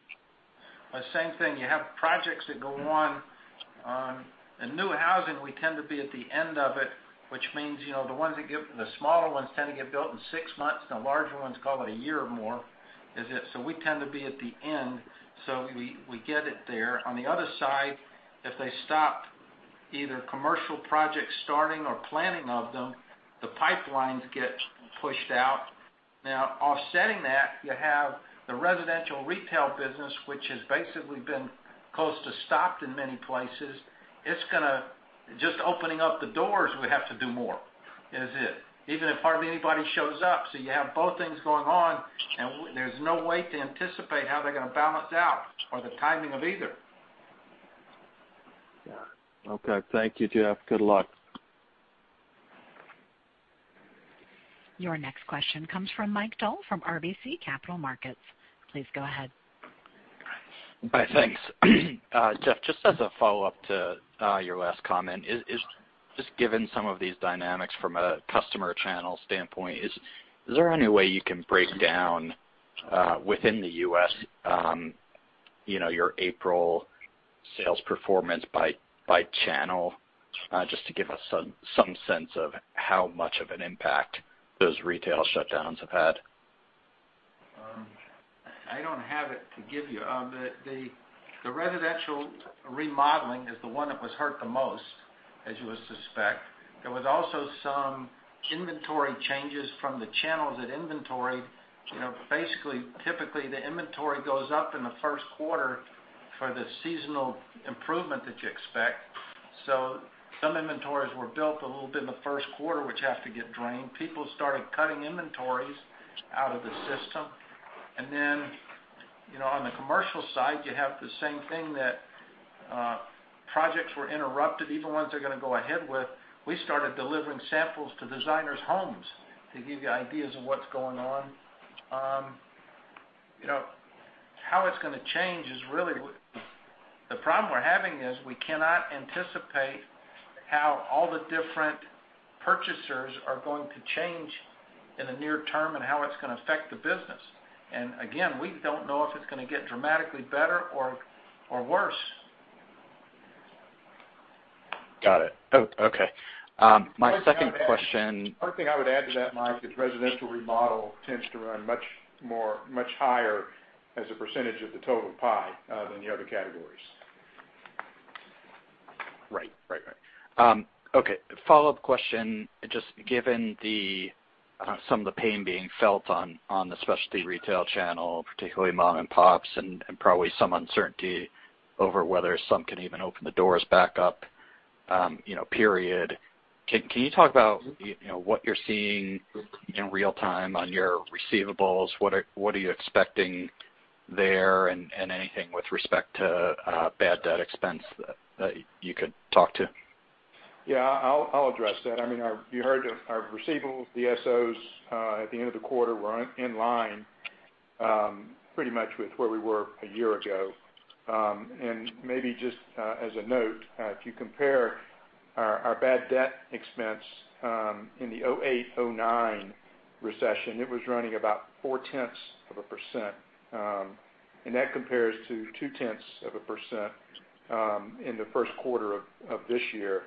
The same thing. You have projects that go on. In new housing, we tend to be at the end of it, which means the smaller ones tend to get built in six months. The larger ones call it a year or more. We tend to be at the end, so we get it there. On the other side, if they stop either commercial projects starting or planning of them, the pipelines get pushed out. Offsetting that, you have the residential retail business, which has basically been close to stopped in many places. Just opening up the doors, we have to do more. Even if hardly anybody shows up. You have both things going on, and there's no way to anticipate how they're going to balance out or the timing of either. Yeah. Okay. Thank you, Jeff. Good luck. Your next question comes from Mike Dahl from RBC Capital Markets. Please go ahead. Thanks. Jeff, just as a follow-up to your last comment, just given some of these dynamics from a customer channel standpoint, is there any way you can break down within the U.S. your April sales performance by channel, just to give us some sense of how much of an impact those retail shutdowns have had? I don't have it to give you. The residential remodeling is the one that was hurt the most, as you would suspect. There was also some inventory changes from the channels that inventoried. Typically, the inventory goes up in the first quarter for the seasonal improvement that you expect. Some inventories were built a little bit in the first quarter, which have to get drained. People started cutting inventories out of the system. On the commercial side, you have the same thing that projects were interrupted. Even ones they're going to go ahead with, we started delivering samples to designers' homes to give you ideas of what's going on. How it's going to change is really. The problem we're having is we cannot anticipate how all the different purchasers are going to change in the near term and how it's going to affect the business. Again, we don't know if it's going to get dramatically better or worse. Got it. Okay. The only thing I would add to that, Mike, is residential remodel tends to run much higher as a percentage of the total pie than the other categories. Right. Okay. Follow-up question, just given some of the pain being felt on the specialty retail channel, particularly mom and pops, and probably some uncertainty over whether some can even open the doors back up period, can you talk about what you're seeing in real time on your receivables? What are you expecting there, and anything with respect to bad debt expense that you could talk to? Yeah, I'll address that. You heard our receivables, DSOs at the end of the quarter were in line pretty much with where we were a year ago. Maybe just as a note, if you compare our bad debt expense in the 2008, 2009 recession, it was running about 0.4%. That compares to 0.2% in the first quarter of this year.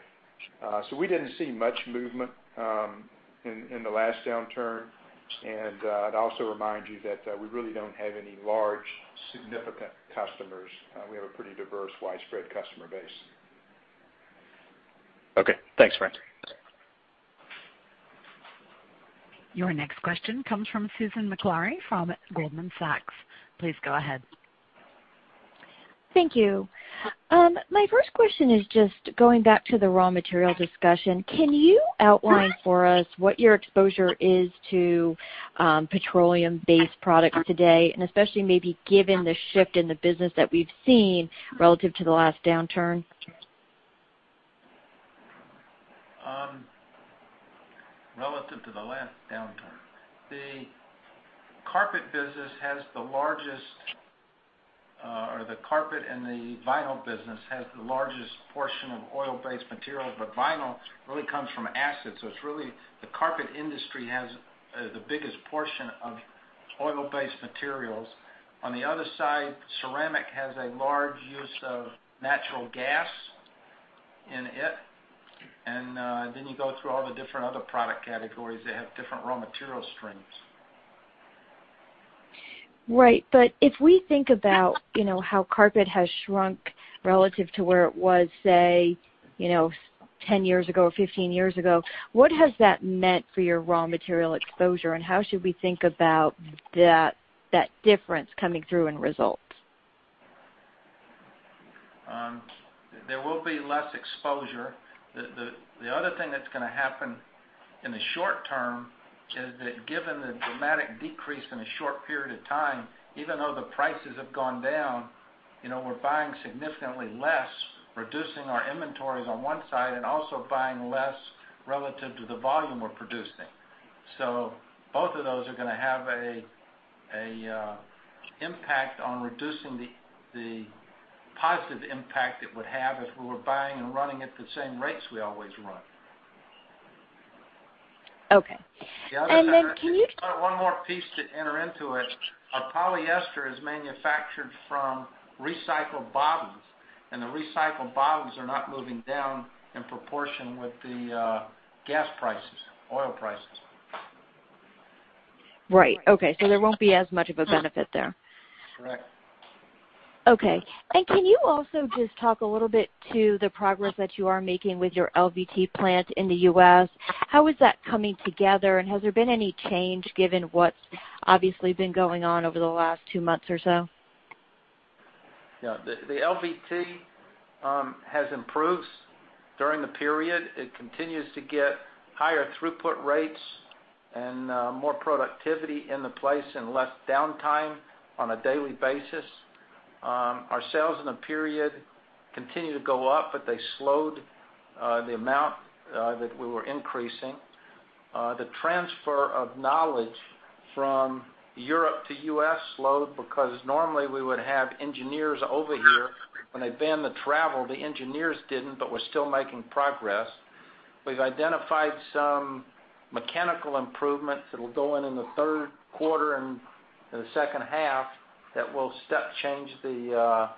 We didn't see much movement in the last downturn. I'd also remind you that we really don't have any large, significant customers. We have a pretty diverse, widespread customer base. Okay. Thanks, Frank. Your next question comes from Susan Maklari from Goldman Sachs. Please go ahead. Thank you. My first question is just going back to the raw material discussion. Can you outline for us what your exposure is to petroleum-based products today, and especially maybe given the shift in the business that we've seen relative to the last downturn? Relative to the last downturn. The Carpet business has the largest, or the Carpet and the Vinyl business has the largest portion of oil-based materials. Vinyl really comes from assets. It's really the Carpet industry has the biggest portion of oil-based materials. On the other side, ceramic has a large use of natural gas in it. You go through all the different other product categories that have different raw material streams. Right. If we think about how carpet has shrunk relative to where it was, say, 10 years ago or 15 years ago, what has that meant for your raw material exposure, and how should we think about that difference coming through in results? There will be less exposure. The other thing that's going to happen in the short term is that given the dramatic decrease in a short period of time, even though the prices have gone down, we're buying significantly less, reducing our inventories on one side and also buying less relative to the volume we're producing. Both of those are going to have an impact on reducing the positive impact it would have if we were buying and running at the same rates we always run. Okay. can you- One more piece to enter into it. Our polyester is manufactured from recycled bottles, and the recycled bottles are not moving down in proportion with the gas prices, oil prices. Right. Okay. There won't be as much of a benefit there. Correct. Okay. Can you also just talk a little bit to the progress that you are making with your LVT plant in the U.S.? How is that coming together, and has there been any change given what's obviously been going on over the last two months or so? The LVT has improved during the period. It continues to get higher throughput rates and more productivity in the place and less downtime on a daily basis. Our sales in the period continue to go up, they slowed the amount that we were increasing. The transfer of knowledge from Europe to U.S. slowed because normally we would have engineers over here. When they banned the travel, the engineers didn't, we're still making progress. We've identified some mechanical improvements that'll go in in the third quarter and the second half that will step change the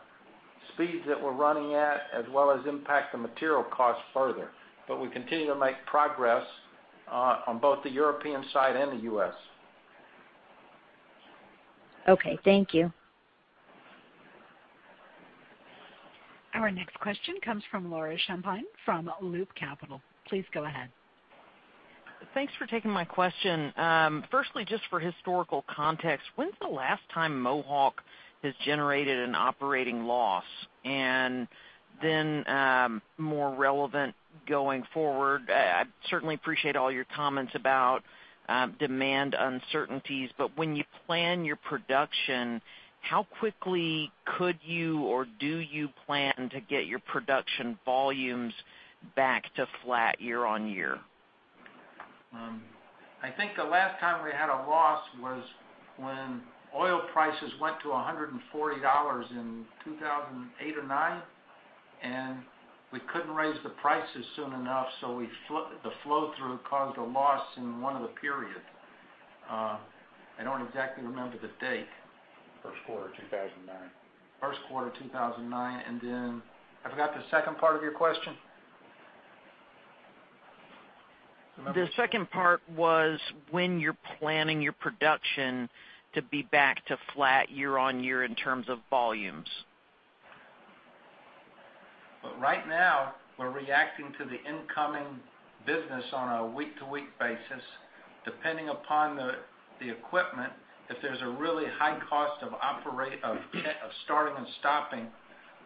speeds that we're running at as well as impact the material cost further. We continue to make progress on both the European side and the U.S. Okay. Thank you. Our next question comes from Laura Champine from Loop Capital. Please go ahead. Thanks for taking my question. Firstly, just for historical context, when's the last time Mohawk has generated an operating loss? Then more relevant going forward, I certainly appreciate all your comments about demand uncertainties, but when you plan your production, how quickly could you or do you plan to get your production volumes back to flat year-over-year? I think the last time we had a loss was when oil prices went to $140 in 2008 or 2009. We couldn't raise the prices soon enough. The flow-through caused a loss in one of the periods. I don't exactly remember the date. First quarter 2009. First quarter 2009. I forgot the second part of your question. The second part was when you're planning your production to be back to flat year-on-year in terms of volumes. Well, right now, we're reacting to the incoming business on a week-to-week basis. Depending upon the equipment, if there's a really high cost of starting and stopping,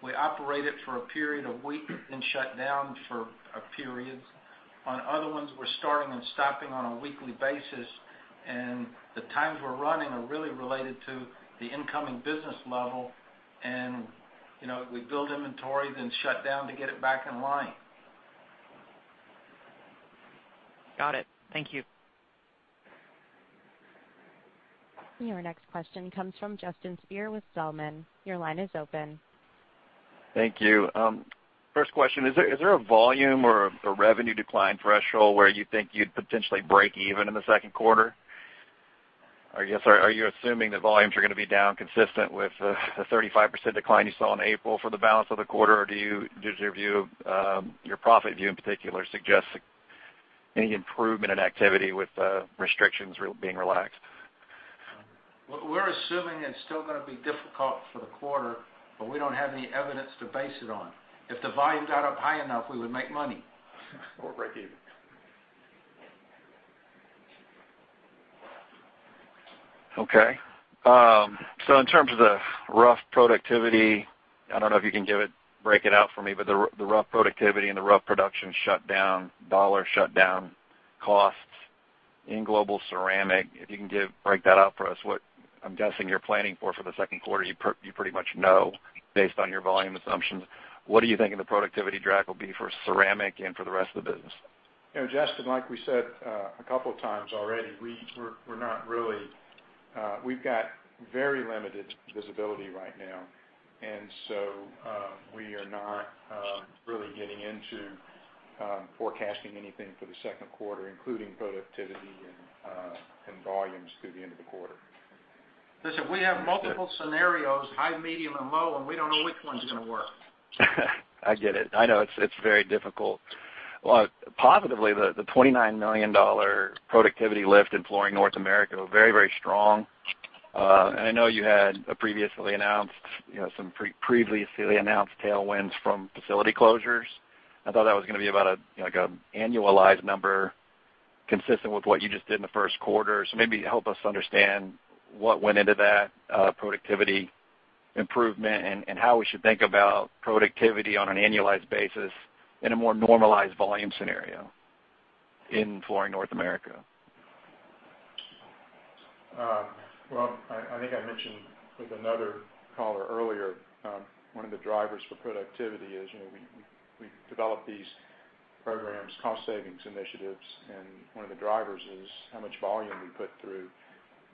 we operate it for a period of week, then shut down for periods. On other ones, we're starting and stopping on a weekly basis, and the times we're running are really related to the incoming business level, and if we build inventory, then shut down to get it back in line. Got it. Thank you. Your next question comes from Justin Speer with Zelman. Your line is open. Thank you. First question, is there a volume or a revenue decline threshold where you think you'd potentially break even in the second quarter? I guess, are you assuming that volumes are going to be down consistent with the 35% decline you saw in April for the balance of the quarter, or does your view, your profit view in particular, suggest any improvement in activity with restrictions being relaxed? We're assuming it's still going to be difficult for the quarter, but we don't have any evidence to base it on. If the volume got up high enough, we would make money. Break even. Okay. In terms of the rough productivity, I don't know if you can break it out for me, but the rough productivity and the rough production dollar shut down costs in Global Ceramic, if you can break that out for us, what I'm guessing you're planning for the second quarter, you pretty much know based on your volume assumptions. What are you thinking the productivity drag will be for ceramic and for the rest of the business? Justin, like we said a couple of times already, we've got very limited visibility right now. We are not really getting into forecasting anything for the second quarter, including productivity and volumes through the end of the quarter. Listen, we have multiple scenarios, high, medium, and low, and we don't know which one's going to work. I get it. I know it's very difficult. Positively, the $29 million productivity lift in Flooring North America was very strong. I know you had some previously announced tailwinds from facility closures. I thought that was going to be about an annualized number consistent with what you just did in the first quarter. Maybe help us understand what went into that productivity improvement and how we should think about productivity on an annualized basis in a more normalized volume scenario in Flooring North America. Well, I think I mentioned with another caller earlier one of the drivers for productivity is we develop these programs, cost savings initiatives, and one of the drivers is how much volume we put through.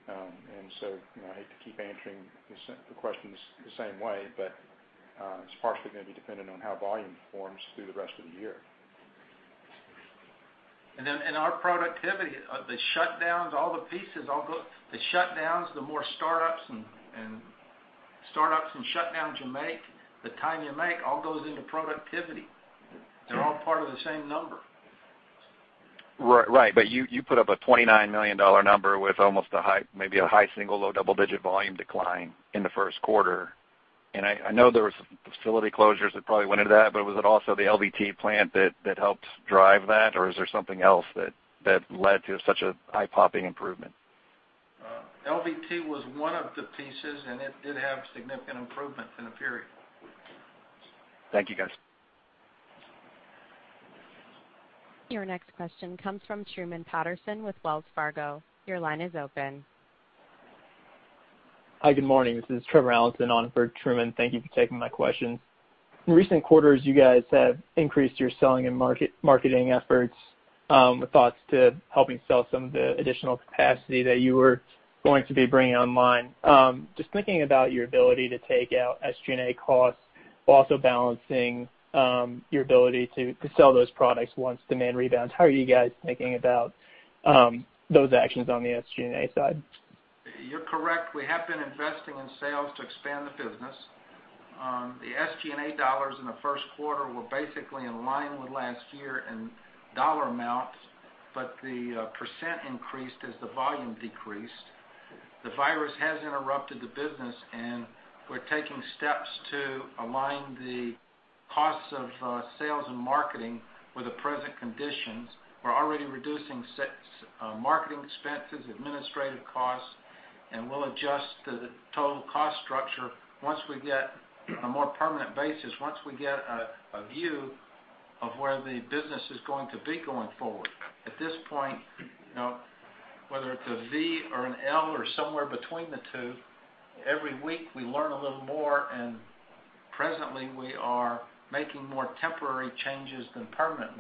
I hate to keep answering the questions the same way, but it's partially going to be dependent on how volume forms through the rest of the year. In our productivity, the shutdowns, all the pieces, the shutdowns, the more startups and shutdowns you make, the time you make, all goes into productivity. They're all part of the same number. Right. You put up a $29 million number with almost maybe a high single-digit or low double-digit volume decline in the first quarter. I know there was facility closures that probably went into that, but was it also the LVT plant that helped drive that? Is there something else that led to such a high popping improvement? LVT was one of the pieces, and it did have significant improvements in the period. Thank you, guys. Your next question comes from Truman Patterson with Wells Fargo. Your line is open. Hi, good morning. This is Trevor Allinson on for Truman. Thank you for taking my questions. In recent quarters, you guys have increased your selling and marketing efforts with thoughts to helping sell some of the additional capacity that you were going to be bringing online. Just thinking about your ability to take out SG&A costs, while also balancing your ability to sell those products once demand rebounds. How are you guys thinking about those actions on the SG&A side? You're correct. We have been investing in sales to expand the business. The SG&A dollars in the first quarter were basically in line with last year in dollar amounts, but the percent increased as the volume decreased. The virus has interrupted the business, and we're taking steps to align the costs of sales and marketing with the present conditions. We're already reducing marketing expenses, administrative costs, and we'll adjust the total cost structure once we get a more permanent basis, once we get a view of where the business is going to be going forward. At this point, whether it's a V or an L or somewhere between the two, every week we learn a little more, and presently we are making more temporary changes than permanent.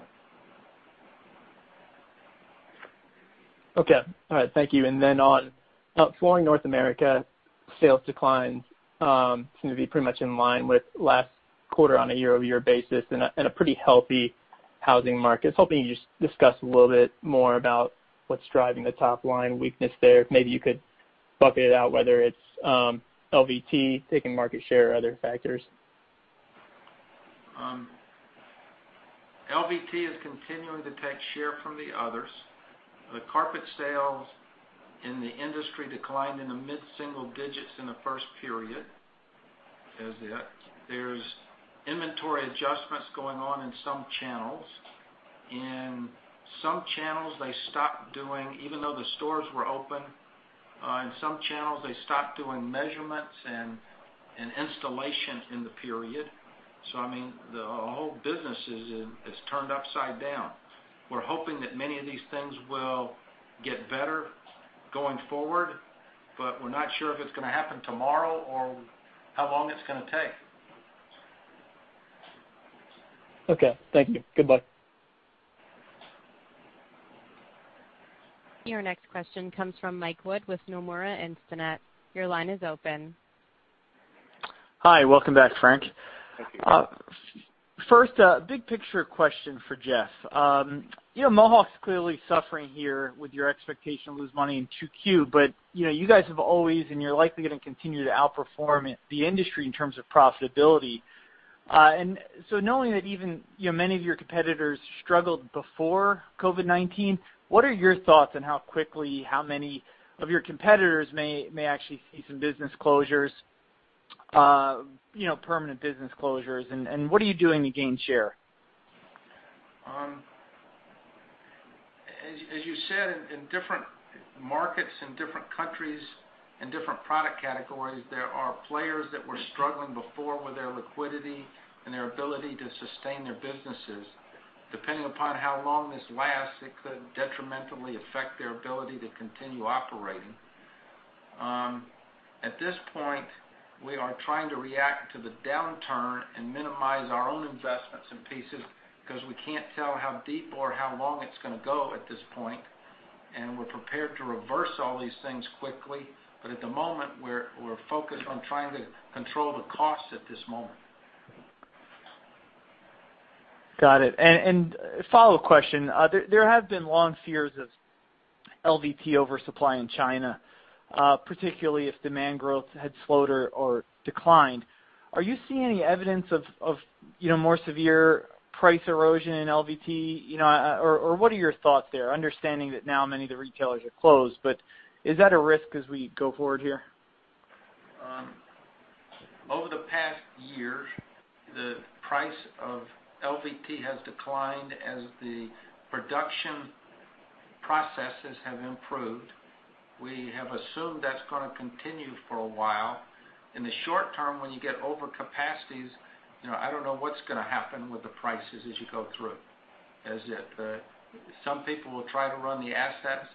Okay. All right. Thank you. On Flooring North America, sales declines seem to be pretty much in line with last quarter on a year-over-year basis in a pretty healthy housing market. I was hoping you could discuss a little bit more about what's driving the top-line weakness there. Maybe you could bucket it out, whether it's LVT taking market share or other factors. LVT is continuing to take share from the others. The carpet sales in the industry declined in the mid-single digits in the first period. There's inventory adjustments going on in some channels. Even though the stores were open, in some channels, they stopped doing measurements and installation in the period. I mean, the whole business is turned upside down. We're hoping that many of these things will get better going forward, but we're not sure if it's going to happen tomorrow or how long it's going to take. Okay. Thank you. Goodbye. Your next question comes from Mike Wood with Nomura Instinet. Your line is open. Hi. Welcome back, Frank. Thank you. First, big picture question for Jeff. Mohawk's clearly suffering here with your expectation to lose money in 2Q, but you guys have always, and you're likely going to continue to outperform the industry in terms of profitability. Knowing that even many of your competitors struggled before COVID-19, what are your thoughts on how quickly, how many of your competitors may actually see some business closures, permanent business closures, and what are you doing to gain share? As you said, in different markets, in different countries, in different product categories, there are players that were struggling before with their liquidity and their ability to sustain their businesses. Depending upon how long this lasts, it could detrimentally affect their ability to continue operating. At this point, we are trying to react to the downturn and minimize our own investments in pieces because we can't tell how deep or how long it's going to go at this point, and we're prepared to reverse all these things quickly. At the moment, we're focused on trying to control the costs at this moment. Got it. Follow-up question. There have been long fears of LVT oversupply in China, particularly if demand growth had slowed or declined. Are you seeing any evidence of more severe price erosion in LVT? What are your thoughts there, understanding that now many of the retailers are closed, but is that a risk as we go forward here? Over the past year, the price of LVT has declined as the production processes have improved. We have assumed that's going to continue for a while. In the short term, when you get over capacities, I don't know what's going to happen with the prices as you go through. As if some people will try to run the assets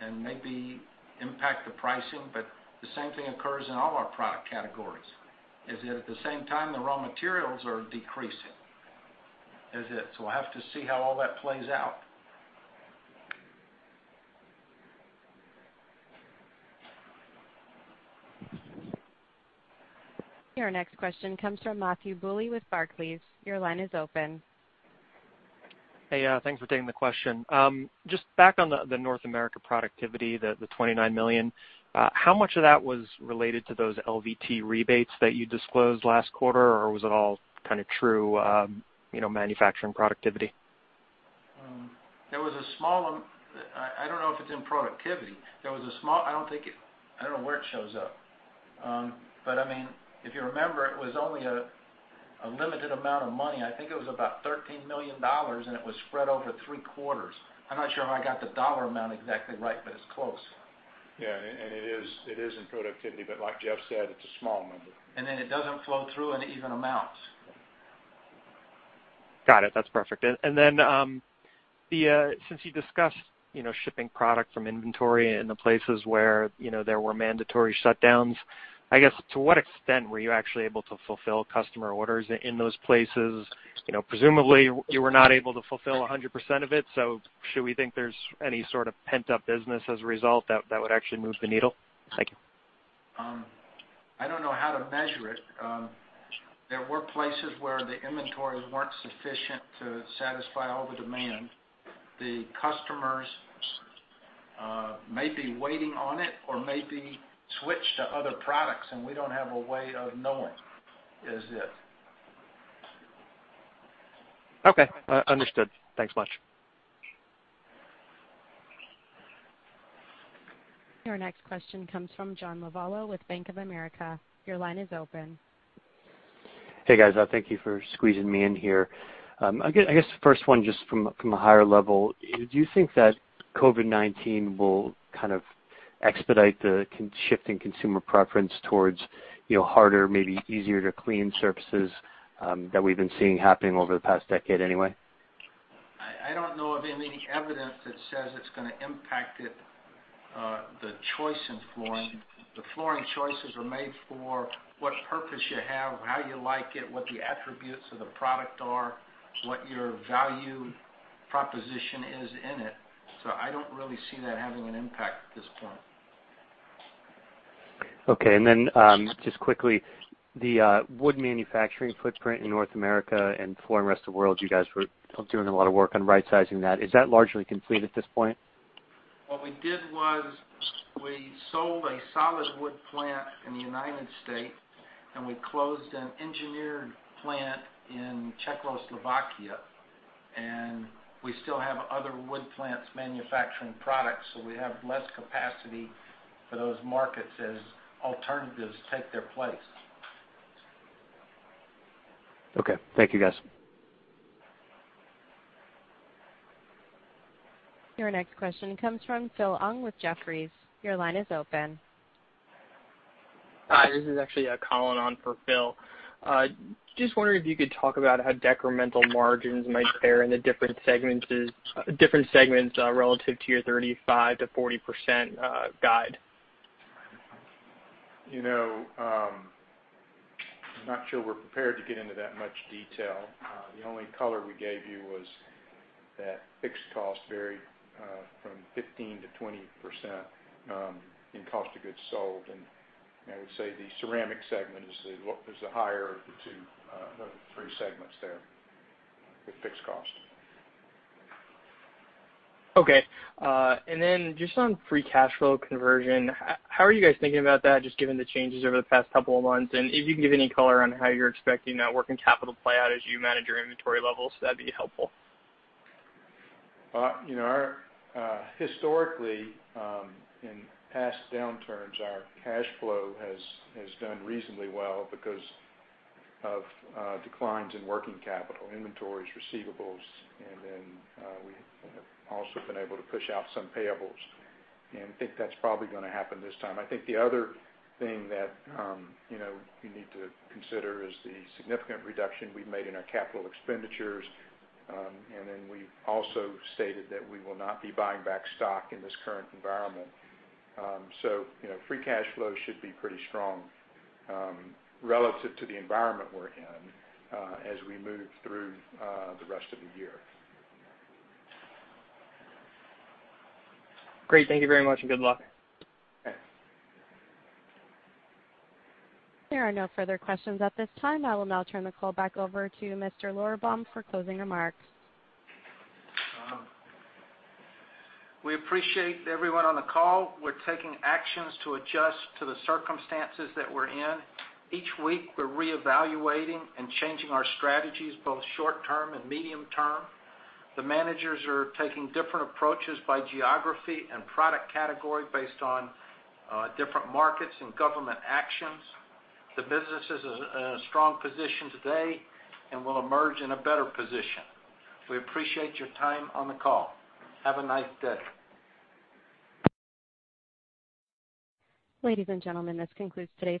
and maybe impact the pricing, but the same thing occurs in all our product categories, as if at the same time, the raw materials are decreasing. We'll have to see how all that plays out. Your next question comes from Matthew Bouley with Barclays. Your line is open. Hey, thanks for taking the question. Just back on the North America productivity, the $29 million, how much of that was related to those LVT rebates that you disclosed last quarter, or was it all kind of true manufacturing productivity? There was a small, I don't know if it's in productivity. I don't know where it shows up. If you remember, it was only a limited amount of money. I think it was about $13 million, and it was spread over three quarters. I'm not sure if I got the dollar amount exactly right, but it's close. Yeah, it is in productivity, but like Jeff said, it's a small number. It doesn't flow through in even amounts. Got it. That's perfect. Since you discussed shipping product from inventory in the places where there were mandatory shutdowns, I guess, to what extent were you actually able to fulfill customer orders in those places? Presumably you were not able to fulfill 100% of it. Should we think there's any sort of pent-up business as a result that would actually move the needle? Thank you. I don't know how to measure it. There were places where the inventories weren't sufficient to satisfy all the demand. The customers may be waiting on it or maybe switched to other products. We don't have a way of knowing. Okay. Understood. Thanks much. Your next question comes from John Lovallo with Bank of America. Your line is open. Hey, guys. Thank you for squeezing me in here. I guess the first one, just from a higher level, do you think that COVID-19 will kind of expedite the shifting consumer preference towards harder, maybe easier to clean surfaces that we've been seeing happening over the past decade, anyway? I don't know of any evidence that says it's going to impact it, the choice in flooring. The flooring choices are made for what purpose you have, how you like it, what the attributes of the product are, what your value proposition is in it. I don't really see that having an impact at this point. Okay, just quickly, the wood manufacturing footprint in North America and Flooring Rest of the World, you guys were doing a lot of work on right-sizing that. Is that largely complete at this point? What we did was we sold a solid wood plant in the U.S., we closed an engineered plant in the Czech Republic, we still have other wood plants manufacturing products, we have less capacity for those markets as alternatives take their place. Okay. Thank you, guys. Your next question comes from Phil Ng with Jefferies. Your line is open. Hi, this is actually Collin for Phil. Just wondering if you could talk about how decremental margins might fare in the different segments relative to your 35%-40% guide. I'm not sure we're prepared to get into that much detail. The only color we gave you was that fixed costs vary from 15%-20% in cost of goods sold. I would say the Ceramic segment is the higher of the three segments there with fixed cost. Okay. Just on free cash flow conversion, how are you guys thinking about that, just given the changes over the past couple of months? If you can give any color on how you're expecting that working capital play out as you manage your inventory levels, that'd be helpful. Historically, in past downturns, our cash flow has done reasonably well because of declines in working capital, inventories, receivables. Then we have also been able to push out some payables. I think that's probably going to happen this time. I think the other thing that we need to consider is the significant reduction we've made in our CapEx. We've also stated that we will not be buying back stock in this current environment. Free cash flow should be pretty strong relative to the environment we're in as we move through the rest of the year. Great. Thank you very much, and good luck. Okay. There are no further questions at this time. I will now turn the call back over to Mr. Lorberbaum for closing remarks. We appreciate everyone on the call. We're taking actions to adjust to the circumstances that we're in. Each week, we're reevaluating and changing our strategies, both short-term and medium-term. The managers are taking different approaches by geography and product category based on different markets and government actions. The business is in a strong position today and will emerge in a better position. We appreciate your time on the call. Have a nice day. Ladies and gentlemen, this concludes today's.